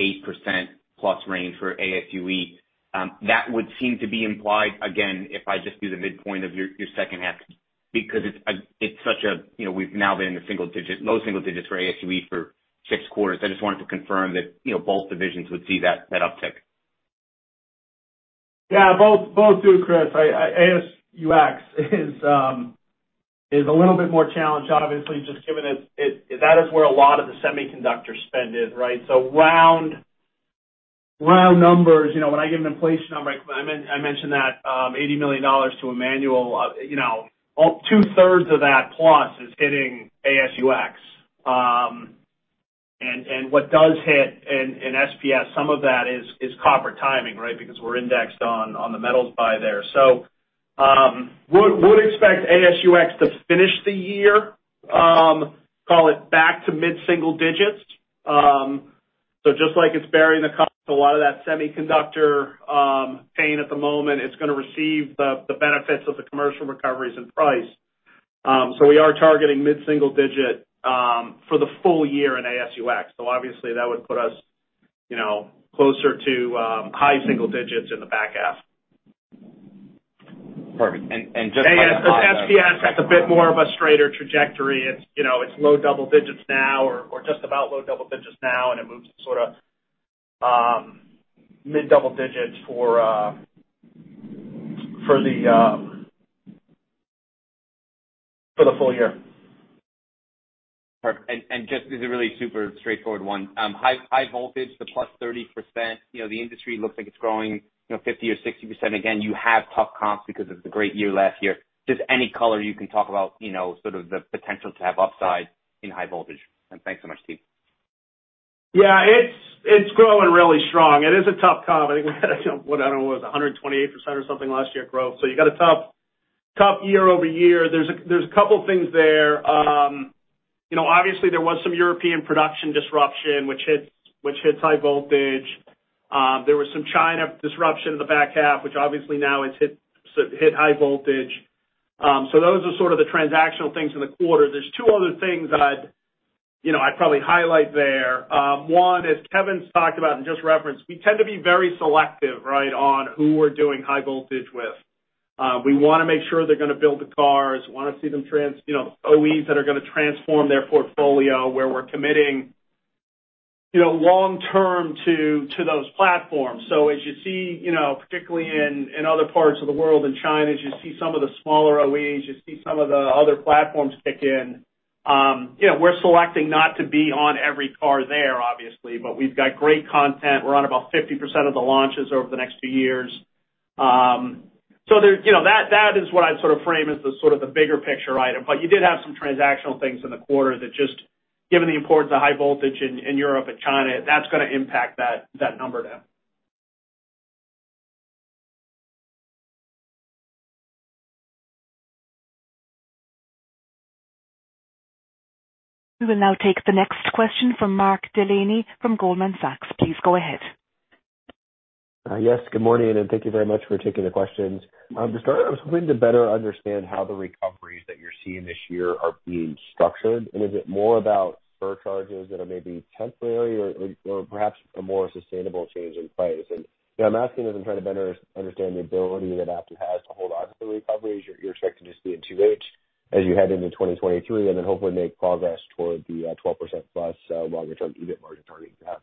G: 8%+ range for AS&UX. That would seem to be implied again if I just do the midpoint of your second half because it's such a, you know, we've now been in the single digits, low single digits for AS&UX for 6 quarters. I just wanted to confirm that, you know, both divisions would see that uptick.
D: Yeah. Both do, Chris. AS&UX is a little bit more challenged, obviously, just given it, that is where a lot of the semiconductor spend is, right? So round numbers, you know, when I give an inflation number, I mentioned that, $80 million to Emmanuel, you know, all two-thirds of that plus is hitting AS&UX. And what does hit in SPS, some of that is copper timing, right? Because we're indexed on the metals buy there. So would expect AS&UX to finish the year, call it back to mid-single digits. So just like it's bearing the cost of a lot of that semiconductor pain at the moment, it's gonna receive the benefits of the commercial recoveries in price. We are targeting mid-single-digit% for the full year in AS&UX. Obviously that would put us, you know, closer to high single digits% in the back half.
G: Perfect.
D: AS&UX, SPS has a bit more of a straighter trajectory. It's, you know, it's low double digits now, or just about low double digits now, and it moves to sort of mid-double digits for the full year.
G: Perfect. Just as a really super straightforward one. High voltage, the +30%, you know, the industry looks like it's growing, you know, 50% or 60%. Again, you have tough comps because of the great year last year. Just any color you can talk about, you know, sort of the potential to have upside in high voltage. Thanks so much, team.
D: Yeah, it's growing really strong. It is a tough comp. I think we've got you know, what, I don't know, it was 128% or something last year growth. You got a tough year-over-year. There's a couple things there. You know, obviously there was some European production disruption which hits high voltage. There was some China disruption in the back half, which obviously now has hit, so hit high voltage. Those are sort of the transactional things in the quarter. There's two other things I'd you know, probably highlight there. One, as Kevin's talked about and just referenced, we tend to be very selective, right, on who we're doing high voltage with. We wanna make sure they're gonna build the cars, wanna see them, you know, OEMs that are gonna transform their portfolio where we're committing, you know, long term to those platforms. As you see, you know, particularly in other parts of the world, in China, as you see some of the smaller OEMs, you see some of the other platforms kick in, you know, we're selecting not to be on every car there, obviously, but we've got great content. We're on about 50% of the launches over the next two years. There's, you know, that is what I'd sort of frame as the bigger picture item. You did have some transactional things in the quarter that just given the importance of high voltage in Europe and China, that's gonna impact that number there.
A: We will now take the next question from Mark Delaney from Goldman Sachs. Please go ahead.
H: Yes, good morning, and thank you very much for taking the questions. To start, I was hoping to better understand how the recoveries that you're seeing this year are being structured, and is it more about surcharges that are maybe temporary or perhaps a more sustainable change in price? You know, I'm asking as I'm trying to better understand the ability that Aptiv has to hold onto the recoveries you're expecting to see in H2 as you head into 2023, and then hopefully make progress toward the 12%+ longer-term EBIT margin target you have.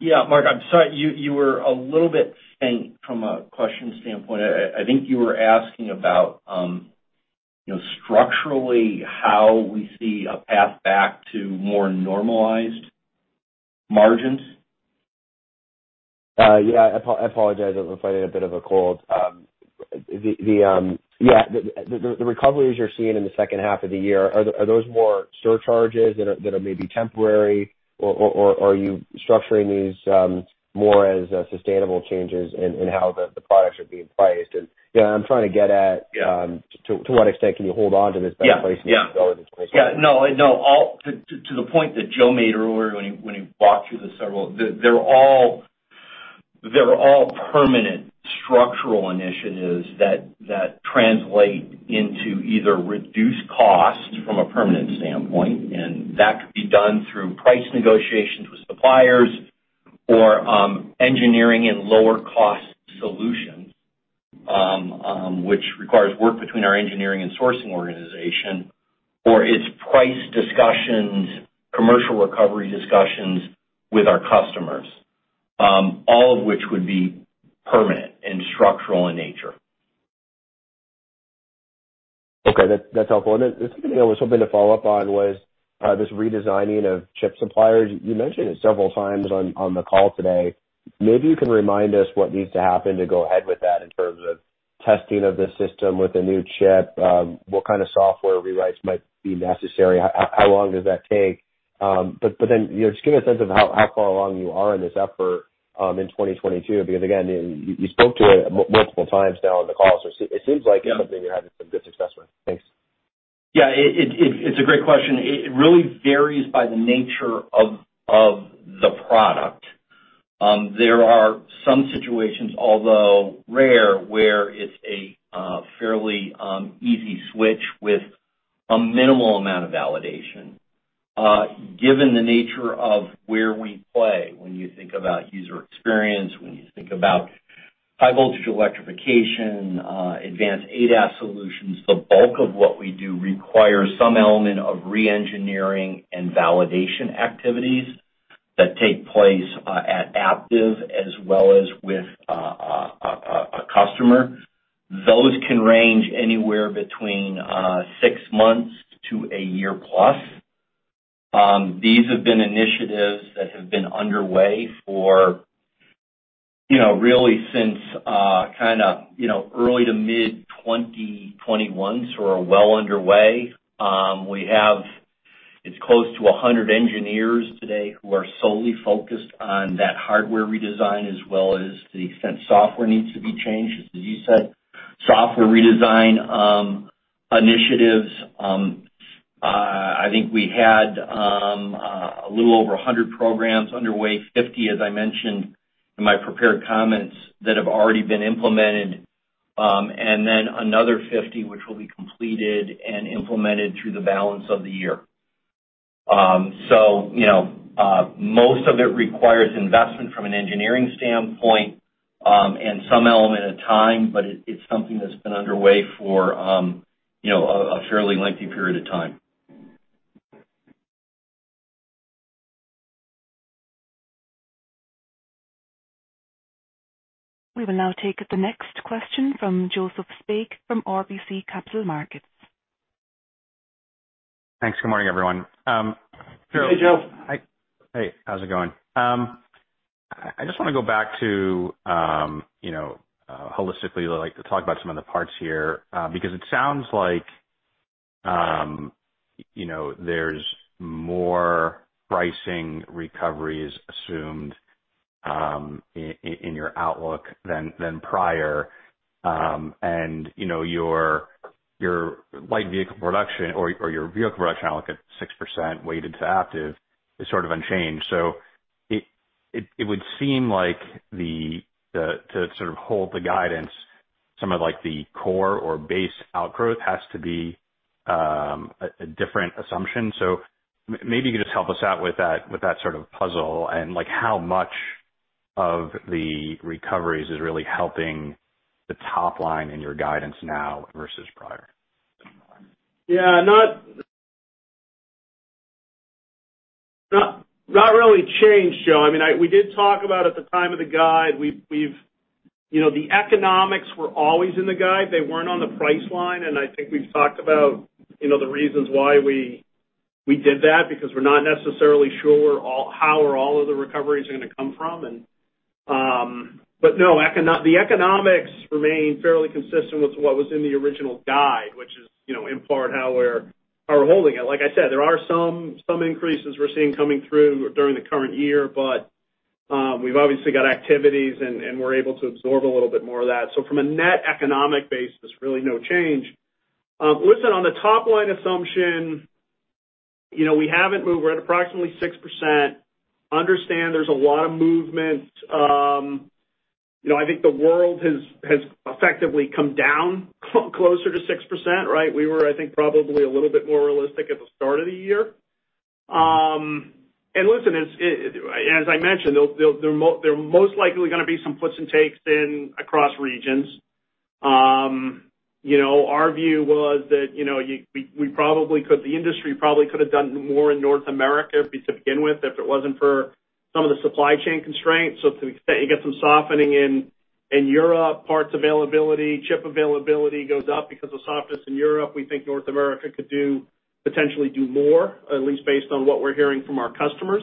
C: Yeah. Mark, I'm sorry. You were a little bit faint from a question standpoint. I think you were asking about, you know, structurally how we see a path back to more normalized margins.
H: I apologize. I'm fighting a bit of a cold. The recoveries you're seeing in the second half of the year, are those more surcharges that are maybe temporary? Or are you structuring these more as sustainable changes in how the products are being priced? You know, I'm trying to get at-
C: Yeah.
H: To what extent can you hold onto this better pricing?
C: Yeah.
H: Going into 2024?
C: No, all to the point that Joe made earlier when he walked through the several. They're all permanent structural initiatives that translate into either reduced cost from a permanent standpoint, and that could be done through price negotiations with suppliers or engineering and lower cost solutions, which requires work between our engineering and sourcing organization. It's price discussions, commercial recovery discussions with our customers, all of which would be permanent and structural in nature.
H: Okay. That's helpful. The second thing I was hoping to follow up on was this redesigning of chip suppliers. You mentioned it several times on the call today. Maybe you can remind us what needs to happen to go ahead with that in terms of testing of the system with a new chip, what kind of software rewrites might be necessary, how long does that take? You know, just give me a sense of how far along you are in this effort in 2022, because again, you spoke to it multiple times now on the call, so it seems like-
C: Yeah.
H: Something you're having some good success with. Thanks.
C: Yeah. It's a great question. It really varies by the nature of the product. There are some situations, although rare, where it's a fairly easy switch with a minimal amount of validation. Given the nature of where we play, when you think about User Experience, when you think about high voltage electrification, advanced ADAS solutions, the bulk of what we do requires some element of re-engineering and validation activities that take place at Aptiv, as well as with a customer. Those can range anywhere between six months to a year plus. These have been initiatives that have been underway for, you know, really since kinda, you know, early to mid 2021, so are well underway. We have... It's close to 100 engineers today who are solely focused on that hardware redesign as well as the extent software needs to be changed, as you said. Software redesign initiatives, I think we had a little over 100 programs underway. 50, as I mentioned in my prepared comments, that have already been implemented, and then another 50 which will be completed and implemented through the balance of the year. You know, most of it requires investment from an engineering standpoint, and some element of time, but it's something that's been underway for you know, a fairly lengthy period of time.
A: We will now take the next question from Joseph Spak from RBC Capital Markets.
I: Thanks. Good morning, everyone.
C: Hey, Joe.
I: Hi. Hey, how's it going? I just wanna go back to, you know, holistically I'd like to talk about some of the parts here, because it sounds like, you know, there's more pricing recoveries assumed in your outlook than prior. You know, your light vehicle production or your vehicle production outlook at 6% weighted to Aptiv is sort of unchanged. It would seem like to sort of hold the guidance, some of, like, the core or base outgrowth has to be a different assumption. Maybe you can just help us out with that sort of puzzle and, like, how much of the recoveries is really helping the top line in your guidance now versus prior?
C: Not really changed, Joe. I mean, we did talk about at the time of the guide. You know, the economics were always in the guide. They weren't on the price line, and I think we've talked about, you know, the reasons why we did that, because we're not necessarily sure how all of the recoveries are gonna come from. No, the economics remain fairly consistent with what was in the original guide, which is, you know, in part how we're holding it. Like I said, there are some increases we're seeing coming through during the current year, but we've obviously got activities and we're able to absorb a little bit more of that. From a net economic basis, really no change. Listen, on the top line assumption, you know, we haven't moved. We're at approximately 6%. Understand there's a lot of movement. You know, I think the world has effectively come down closer to 6%, right? We were, I think, probably a little bit more realistic at the start of the year. Listen, it, as I mentioned, there are most likely gonna be some puts and takes in across regions. You know, our view was that, you know, the industry probably could have done more in North America to begin with if it wasn't for some of the supply chain constraints. To the extent you get some softening in Europe, parts availability, chip availability goes up because of softness in Europe. We think North America could potentially do more, at least based on what we're hearing from our customers.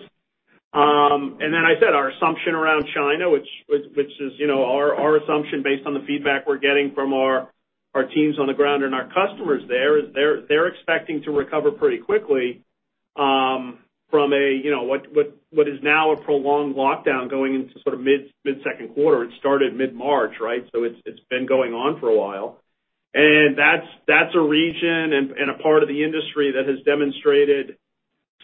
C: I said, our assumption around China, which is, you know, our assumption based on the feedback we're getting from our teams on the ground and our customers there, is they're expecting to recover pretty quickly from what is now a prolonged lockdown going into sort of mid-second quarter. It started mid-March, right? It's been going on for a while. That's a region and a part of the industry that has demonstrated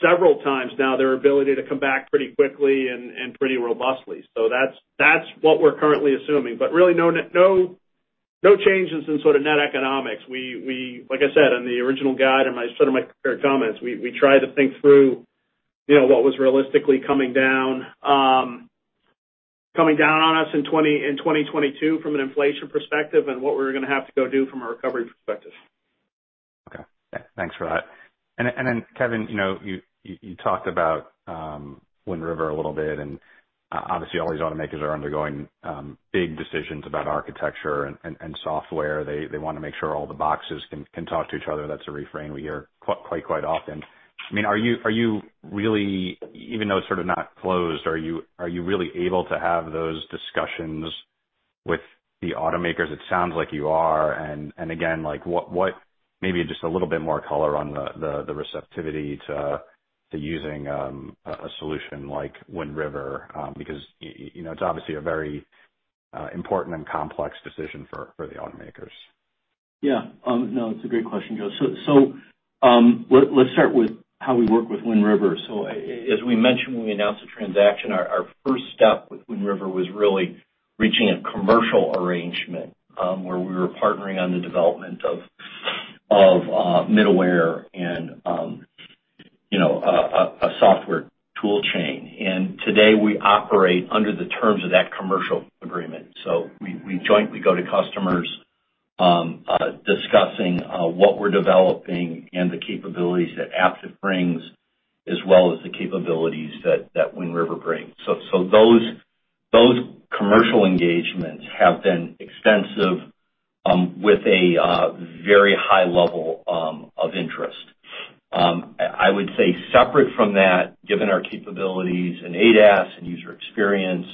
C: several times now their ability to come back pretty quickly and pretty robustly. That's what we're currently assuming. Really no changes in sort of net economics. We, like I said, in the original guide and my sort of my prepared comments, we try to think through, you know, what was realistically coming down on us in 2022 from an inflation perspective and what we're gonna have to go do from a recovery perspective.
I: Okay. Yeah, thanks for that. Kevin, you know, you talked about Wind River a little bit, and obviously all these automakers are undergoing big decisions about architecture and software. They wanna make sure all the boxes can talk to each other. That's a refrain we hear quite often. I mean, are you really, even though it's sort of not closed, are you really able to have those discussions with the automakers? It sounds like you are. Again, like what, maybe just a little bit more color on the receptivity to using a solution like Wind River, because you know, it's obviously a very important and complex decision for the automakers.
C: No, it's a great question, Joe. Let's start with how we work with Wind River. As we mentioned when we announced the transaction, our first step with Wind River was really reaching a commercial arrangement, where we were partnering on the development of middleware and, you know, a software tool chain. Today, we operate under the terms of that commercial agreement. We jointly go to customers, discussing what we're developing and the capabilities that Aptiv brings, as well as the capabilities that Wind River brings. Those commercial engagements have been extensive, with a very high level of interest. I would say separate from that, given our capabilities in ADAS and User Experience,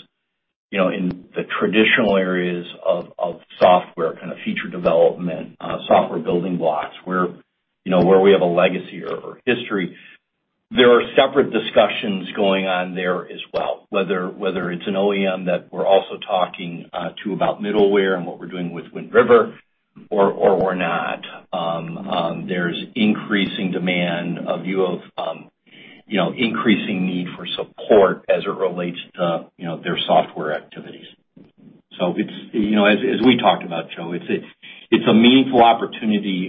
C: you know, in the traditional areas of software, kind of feature development, software building blocks where, you know, where we have a legacy or history, there are separate discussions going on there as well, whether it's an OEM that we're also talking to about middleware and what we're doing with Wind River or we're not. There's increasing demand, you know, increasing need for support as it relates to, you know, their software activities. It's, you know, as we talked about, Joe, a meaningful opportunity.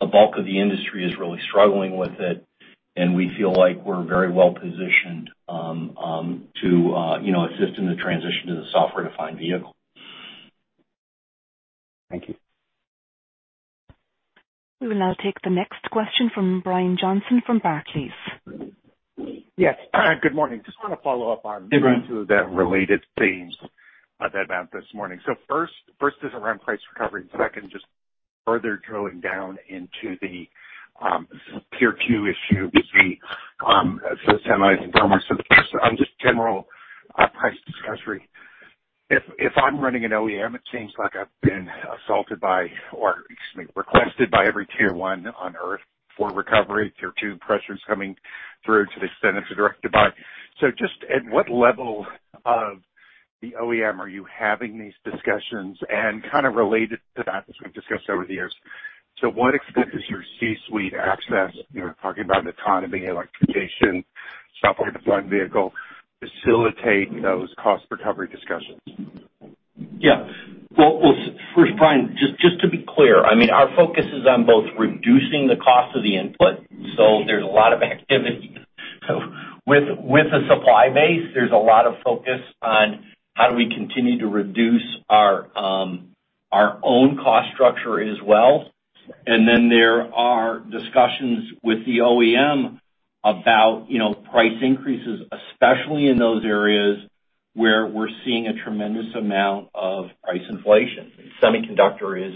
C: A bulk of the industry is really struggling with it, and we feel like we're very well positioned to, you know, assist in the transition to the software-defined vehicle.
I: Thank you.
A: We will now take the next question from Brian Johnson from Barclays.
J: Yes. Good morning. Just wanna follow up on-
C: Hey, Brian.
J: Two of the related themes that came up this morning. First is around price recovery, and second, just further drilling down into the tier two issue with the semis and thermal. First on just general price discovery. If I'm running an OEM, it seems like I've been assaulted by, or excuse me, requested by every tier one on earth for recovery. Tier two pressures coming through to the extent it's a directed buy. Just at what level of the OEM are you having these discussions? Kind of related to that, as we've discussed over the years, what effect does your C-suite access, you know, talking about autonomy, electrification, software-defined vehicle, facilitate those cost recovery discussions?
C: Yeah. Well, first, Brian, just to be clear, I mean, our focus is on both reducing the cost of the input. There's a lot of activity with the supply base. There's a lot of focus on how we continue to reduce our own cost structure as well. There are discussions with the OEM about, you know, price increases, especially in those areas where we're seeing a tremendous amount of price inflation. Semiconductor is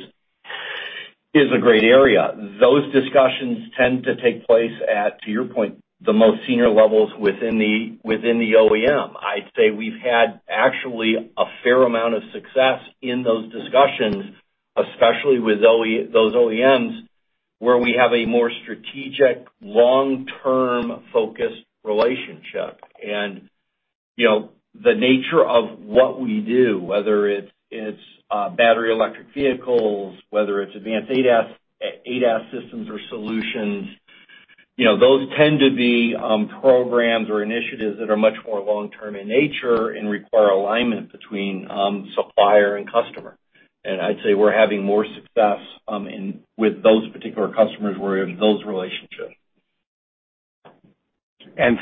C: a great area. Those discussions tend to take place at, to your point, the most senior levels within the OEM. I'd say we've had actually a fair amount of success in those discussions, especially with those OEMs, where we have a more strategic long-term focused relationship. You know, the nature of what we do, whether it's battery electric vehicles, whether it's advanced ADAS systems or solutions, you know, those tend to be programs or initiatives that are much more long-term in nature and require alignment between supplier and customer. I'd say we're having more success in with those particular customers where those relationships.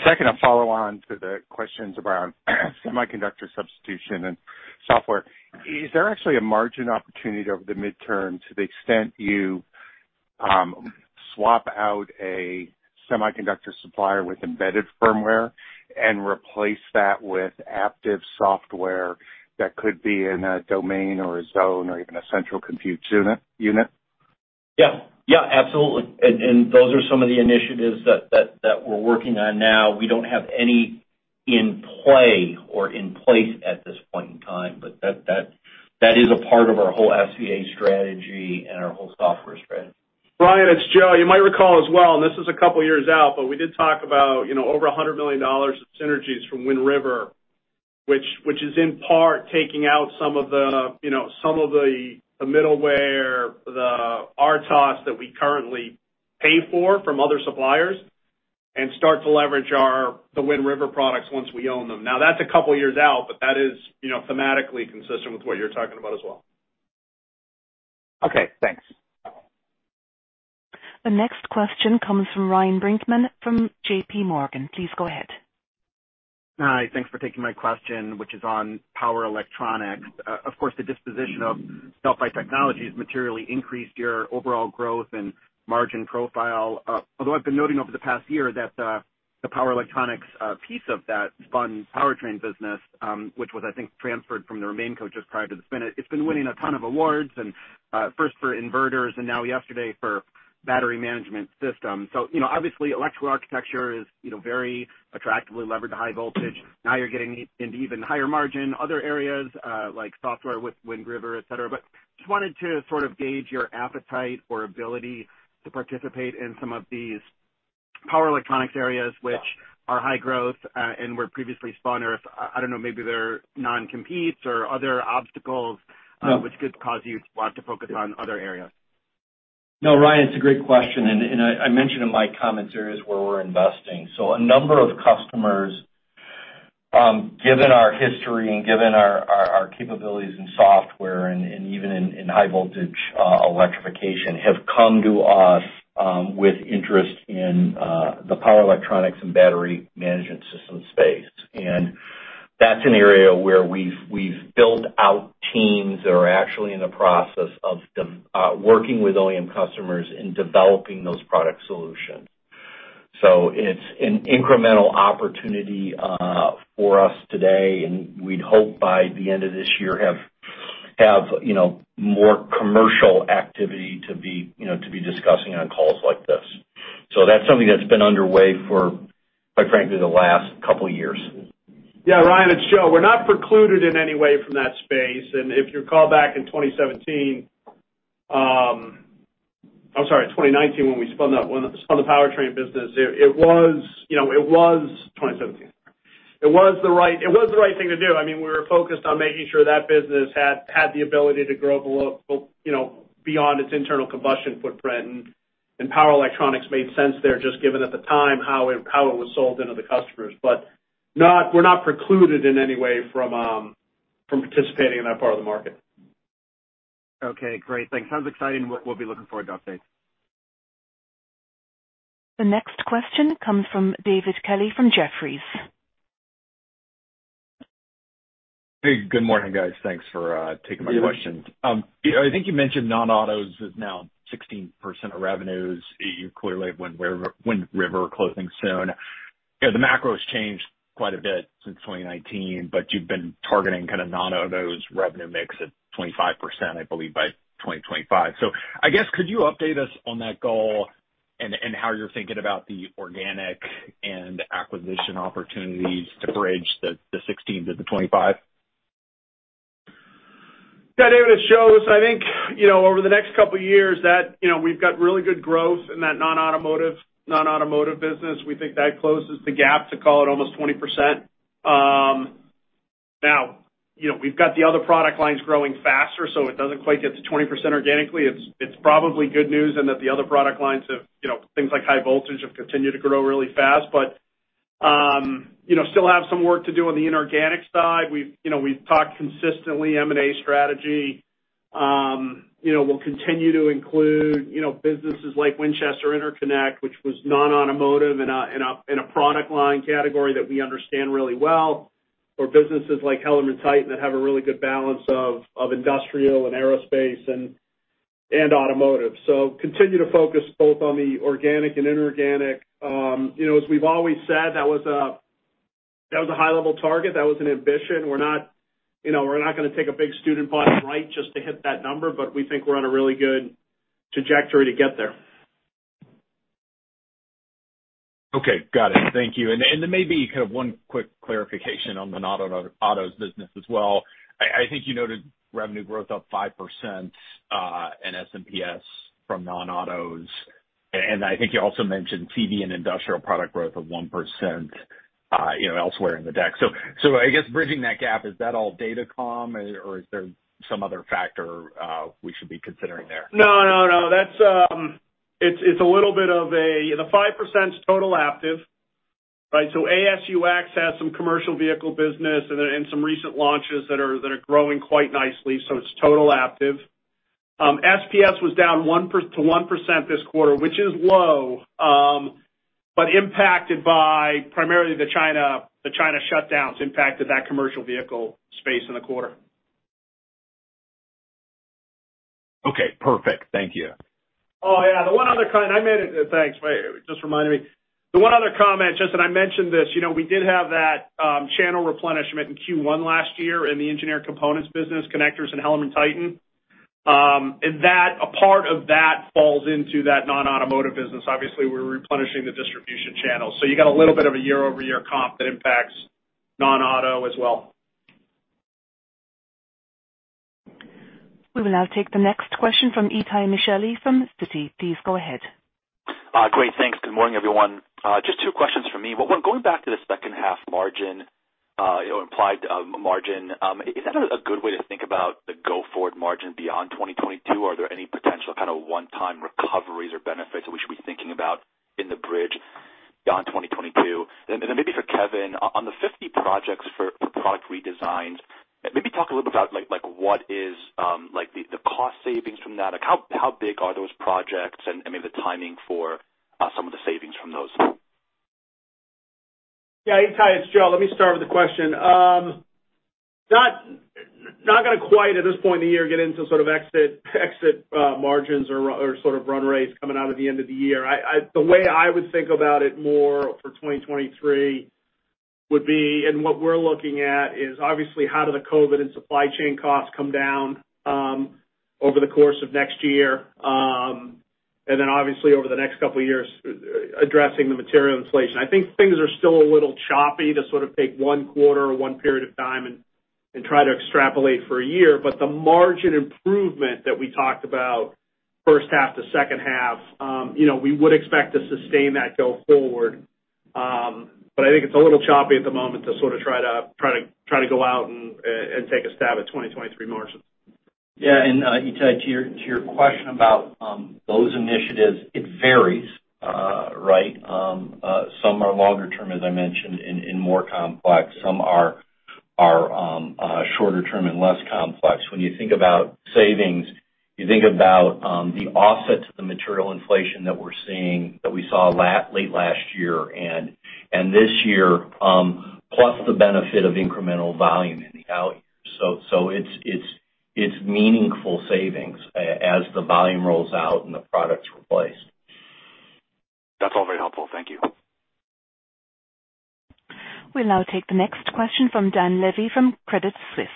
J: Second, a follow-on to the questions around semiconductor substitution and software. Is there actually a margin opportunity over the midterm to the extent you swap out a semiconductor supplier with embedded firmware and replace that with Aptiv software that could be in a domain or a zone or even a central compute unit?
C: Yeah. Yeah, absolutely. Those are some of the initiatives that we're working on now. We don't have any in play or in place at this point in time, but that is a part of our whole SVA strategy and our whole software strategy.
D: Brian, it's Joe. You might recall as well, and this is a couple years out, but we did talk about, you know, over $100 million of synergies from Wind River, which is in part taking out some of the, you know, the middleware, the RTOS that we currently pay for from other suppliers and start to leverage the Wind River products once we own them. Now, that's a couple years out, but that is, you know, thematically consistent with what you're talking about as well.
J: Okay, thanks.
A: The next question comes from Ryan Brinkman from JPMorgan. Please go ahead.
K: Hi. Thanks for taking my question, which is on power electronics. Of course, the disposition of Delphi Technologies materially increased your overall growth and margin profile. Although I've been noting over the past year that the power electronics piece of that spun powertrain business, which was, I think, transferred from the remainco just prior to the spin, it's been winning a ton of awards and first for inverters, and now yesterday for battery management systems. You know, obviously electrical architecture is very attractively levered to high voltage. Now you're getting into even higher margin, other areas, like software with Wind River, et cetera. Just wanted to sort of gauge your appetite or ability to participate in some of these power electronics areas which are high growth, and were previously spun, or if I don't know, maybe they're non-competes or are there obstacles, which could cause you to want to focus on other areas?
C: No, Ryan, it's a great question, you know, I mentioned in my comments areas where we're investing. A number of customers, given our history and given our capabilities in software and even in high voltage electrification, have come to us with interest in the power electronics and battery management system space. That's an area where we've built out teams that are actually in the process of working with OEM customers in developing those product solutions. It's an incremental opportunity for us today, and we'd hope by the end of this year have more commercial activity to be discussing on calls like this. That's something that's been underway for, quite frankly, the last couple years.
D: Yeah, Ryan, it's Joe. We're not precluded in any way from that space. If you recall back in 2017, I'm sorry, 2019, when we spun the powertrain business, it was, you know, 2017. It was the right thing to do. I mean, we were focused on making sure that business had the ability to grow beyond its internal combustion footprint, and power electronics made sense there just given at the time how it was sold into the customers. We're not precluded in any way from participating in that part of the market.
K: Okay, great. Thanks. Sounds exciting. We'll be looking forward to updates.
A: The next question comes from David Kelley from Jefferies.
L: Hey, good morning, guys. Thanks for taking my questions. I think you mentioned non-autos is now 16% of revenues. You clearly have Wind River closing soon. You know, the macro has changed quite a bit since 2019, but you've been targeting kind of non-autos revenue mix at 25%, I believe, by 2025. I guess, could you update us on that goal and how you're thinking about the organic and acquisition opportunities to bridge the sixteen to the twenty-five?
D: Yeah, David, it's Joe. I think, you know, over the next couple years that, you know, we've got really good growth in that non-automotive business. We think that closes the gap to call it almost 20%. Now, you know, we've got the other product lines growing faster, so it doesn't quite get to 20% organically. It's probably good news in that the other product lines have, you know, things like high voltage have continued to grow really fast. You know, still have some work to do on the inorganic side. We've, you know, we've talked consistently M&A strategy. You know, we'll continue to include, you know, businesses like Winchester Interconnect, which was non-automotive and a product line category that we understand really well, or businesses like HellermannTyton that have a really good balance of industrial and aerospace and automotive. Continue to focus both on the organic and inorganic. You know, as we've always said, that was a high-level target. That was an ambition. We're not, you know, we're not gonna take a big strategic buy, right, just to hit that number, but we think we're on a really good trajectory to get there.
L: Okay. Got it. Thank you. Maybe kind of one quick clarification on the non-auto business as well. I think you noted revenue growth up 5%, and SPS from non-autos. I think you also mentioned CV and industrial product growth of 1%, you know, elsewhere in the deck. I guess bridging that gap, is that all Datacom or is there some other factor we should be considering there?
D: No, no. It's the 5%'s total Aptiv, right? AS&UX has some commercial vehicle business and some recent launches that are growing quite nicely. It's total Aptiv. SPS was down 1% this quarter, which is low, impacted by primarily the China shutdowns impacted that commercial vehicle space in the quarter.
L: Okay, perfect. Thank you.
D: Oh, yeah. Thanks. Wait, just reminded me. The one other comment, Justin, I mentioned this, you know, we did have that channel replenishment in Q1 last year in the engineered components business, connectors in HellermannTyton. A part of that falls into that non-automotive business. Obviously, we're replenishing the distribution channel. You got a little bit of a year-over-year comp that impacts non-auto as well.
A: We will now take the next question from Itay Michaeli from Citi. Please go ahead.
M: Great. Thanks. Good morning, everyone. Just two questions from me. Going back to the second half margin, or implied margin, is that a good way to think about the go-forward margin beyond 2022? Are there any potential kind of one-time recoveries or benefits that we should be thinking about in the bridge beyond 2022? Then maybe for Kevin, on the 50 projects for product redesigns, maybe talk a little bit about like what is the cost savings from that? Like how big are those projects and maybe the timing for some of the savings from those?
D: Yeah. Itay, it's Joe. Let me start with the question. Not gonna quite at this point in the year get into sort of exit margins or sort of run rates coming out of the end of the year. The way I would think about it more for 2023 would be, and what we're looking at is obviously how do the COVID and supply chain costs come down over the course of next year, and then obviously over the next couple of years addressing the material inflation. I think things are still a little choppy to sort of take one quarter or one period of time and try to extrapolate for a year. The margin improvement that we talked about first half to second half, you know, we would expect to sustain that go forward. I think it's a little choppy at the moment to sort of try to go out and take a stab at 2023 margins.
C: Itay, to your question about those initiatives, it varies, right? Some are longer term, as I mentioned, and more complex. Some are shorter term and less complex. When you think about savings, you think about the offset to the material inflation that we're seeing, that we saw late last year and this year, plus the benefit of incremental volume in the out years. It's meaningful savings as the volume rolls out and the product's replaced.
M: That's all very helpful. Thank you.
A: We'll now take the next question from Dan Levy from Credit Suisse.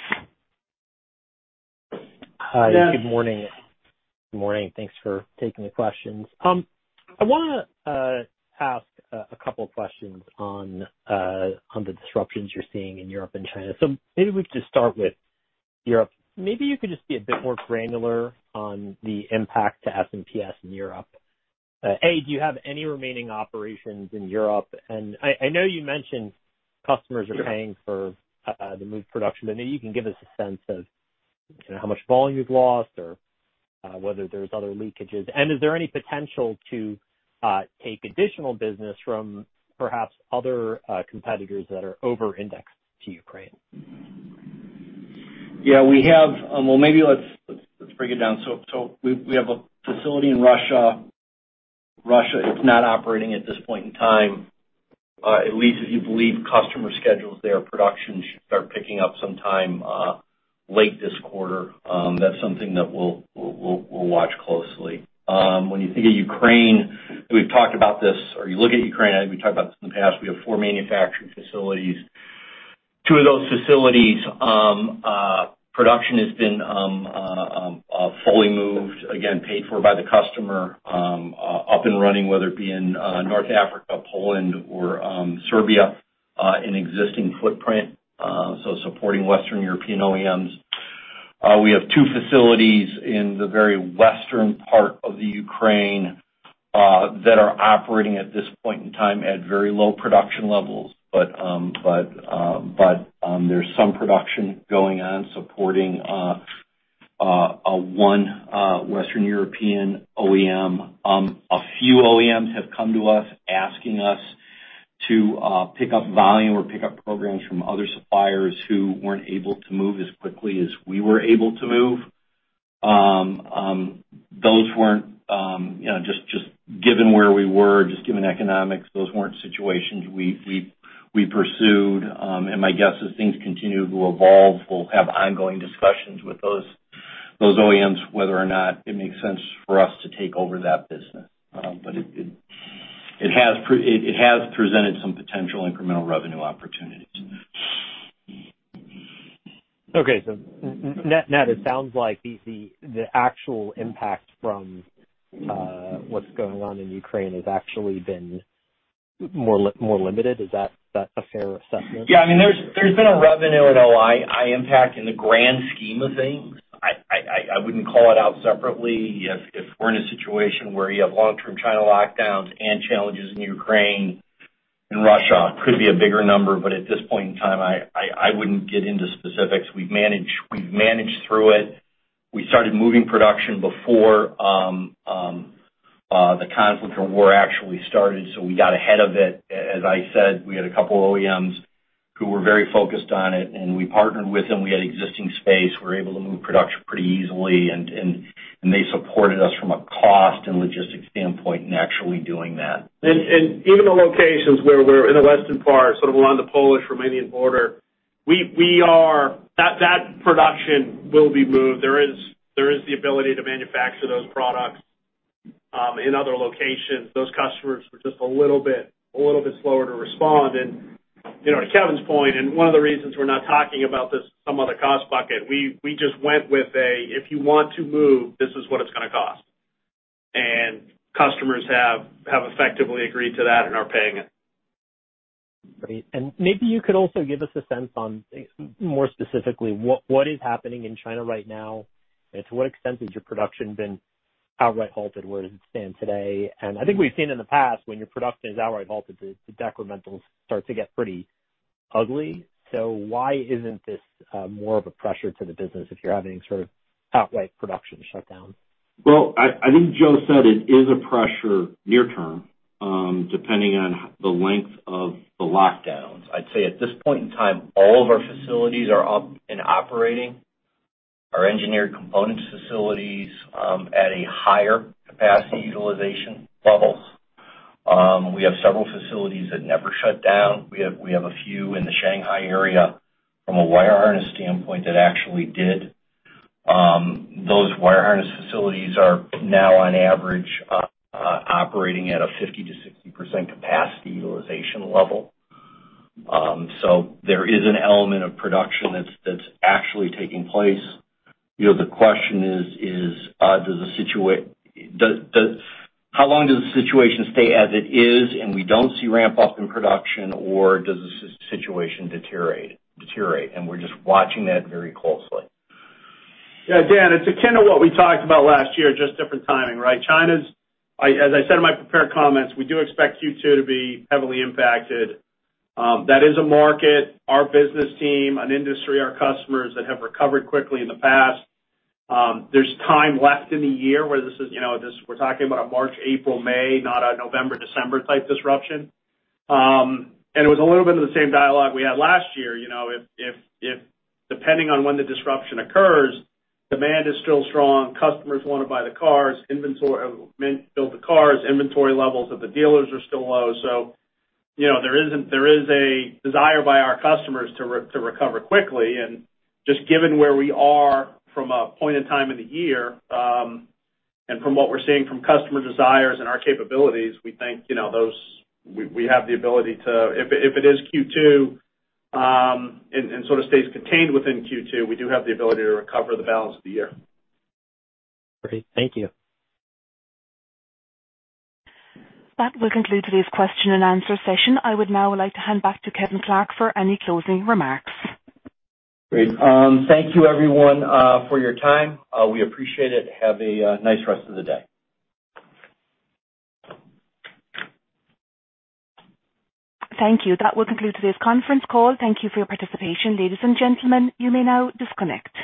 D: Dan.
N: Hi. Good morning. Good morning. Thanks for taking the questions. I wanna ask a couple of questions on the disruptions you're seeing in Europe and China. Maybe we could just start with Europe. Maybe you could just be a bit more granular on the impact to SPS in Europe. Do you have any remaining operations in Europe? I know you mentioned customers are paying for the moving production, but maybe you can give us a sense of how much volume you've lost or whether there's other leakages. Is there any potential to take additional business from perhaps other competitors that are over-indexed to Ukraine?
C: Well, maybe let's break it down. We have a facility in Russia. Russia is not operating at this point in time. At least if you believe customer schedules there, production should start picking up sometime late this quarter. That's something that we'll watch closely. When you think of Ukraine, we've talked about this, or you look at Ukraine, I think we talked about this in the past, we have four manufacturing facilities. Two of those facilities, production has been fully moved, again, paid for by the customer, up and running, whether it be in North Africa, Poland, or Serbia, in existing footprint, so supporting Western European OEMs. We have two facilities in the very western part of the Ukraine that are operating at this point in time at very low production levels. There's some production going on supporting one Western European OEM. A few OEMs have come to us asking us to pick up volume or pick up programs from other suppliers who weren't able to move as quickly as we were able to move. Those weren't, you know, just given where we were, just given economics, situations we pursued. My guess as things continue to evolve, we'll have ongoing discussions with those OEMs whether or not it makes sense for us to take over that business. It has presented some potential incremental revenue opportunities.
N: Okay. Net, it sounds like the actual impact from what's going on in Ukraine has actually been more limited. Is that a fair assessment?
C: Yeah. I mean, there's been a revenue and OI impact in the grand scheme of things. I wouldn't call it out separately. If we're in a situation where you have long-term China lockdowns and challenges in Ukraine and Russia, could be a bigger number. At this point in time, I wouldn't get into specifics. We've managed through it. We started moving production before the conflict or war actually started, so we got ahead of it. As I said, we had a couple OEMs who were very focused on it, and we partnered with them. We had existing space. We were able to move production pretty easily and they supported us from a cost and logistics standpoint in actually doing that.
D: Even the locations where we're in the western part, sort of around the Polish-Romanian border, that production will be moved. There is the ability to manufacture those products in other locations. Those customers were just a little bit slower to respond. You know, to Kevin's point, one of the reasons we're not talking about this some other cost bucket, we just went with, "If you want to move, this is what it's gonna cost." Customers have effectively agreed to that and are paying it.
N: Great. Maybe you could also give us a sense on more specifically what is happening in China right now? To what extent has your production been outright halted? Where does it stand today? I think we've seen in the past, when your production is outright halted, the decrementals start to get pretty ugly. Why isn't this more of a pressure to the business if you're having sort of outright production shutdowns?
C: I think Joe said it's a pressure near term, depending on the length of the lockdowns. I'd say at this point in time, all of our facilities are up and operating. Our Engineered Components facilities at a higher capacity utilization levels. We have several facilities that never shut down. We have a few in the Shanghai area from a wire harness standpoint that actually did. Those wire harness facilities are now on average operating at a 50%-60% capacity utilization level. So there is an element of production that's actually taking place. You know, the question is, does the situation stay as it is and we don't see ramp up in production, or does the situation deteriorate? We're just watching that very closely.
D: Yeah, Dan, it's akin to what we talked about last year, just different timing, right? I, as I said in my prepared comments, we do expect Q2 to be heavily impacted. That is a market, our business team, an industry, our customers that have recovered quickly in the past. There's time left in the year, you know. We're talking about March, April, May, not a November, December type disruption. It was a little bit of the same dialogue we had last year, you know, if depending on when the disruption occurs, demand is still strong, customers wanna buy the cars, build the cars, inventory levels of the dealers are still low. You know, there is a desire by our customers to recover quickly. Just given where we are from a point in time in the year, and from what we're seeing from customer desires and our capabilities, we think, you know, those. We have the ability to. If it is Q2, and sort of stays contained within Q2, we do have the ability to recover the balance of the year.
N: Great. Thank you.
A: That will conclude today's question and answer session. I would now like to hand back to Kevin Clark for any closing remarks.
C: Great. Thank you everyone for your time. We appreciate it. Have a nice rest of the day.
A: Thank you. That will conclude today's conference call. Thank you for your participation. Ladies and gentlemen, you may now disconnect.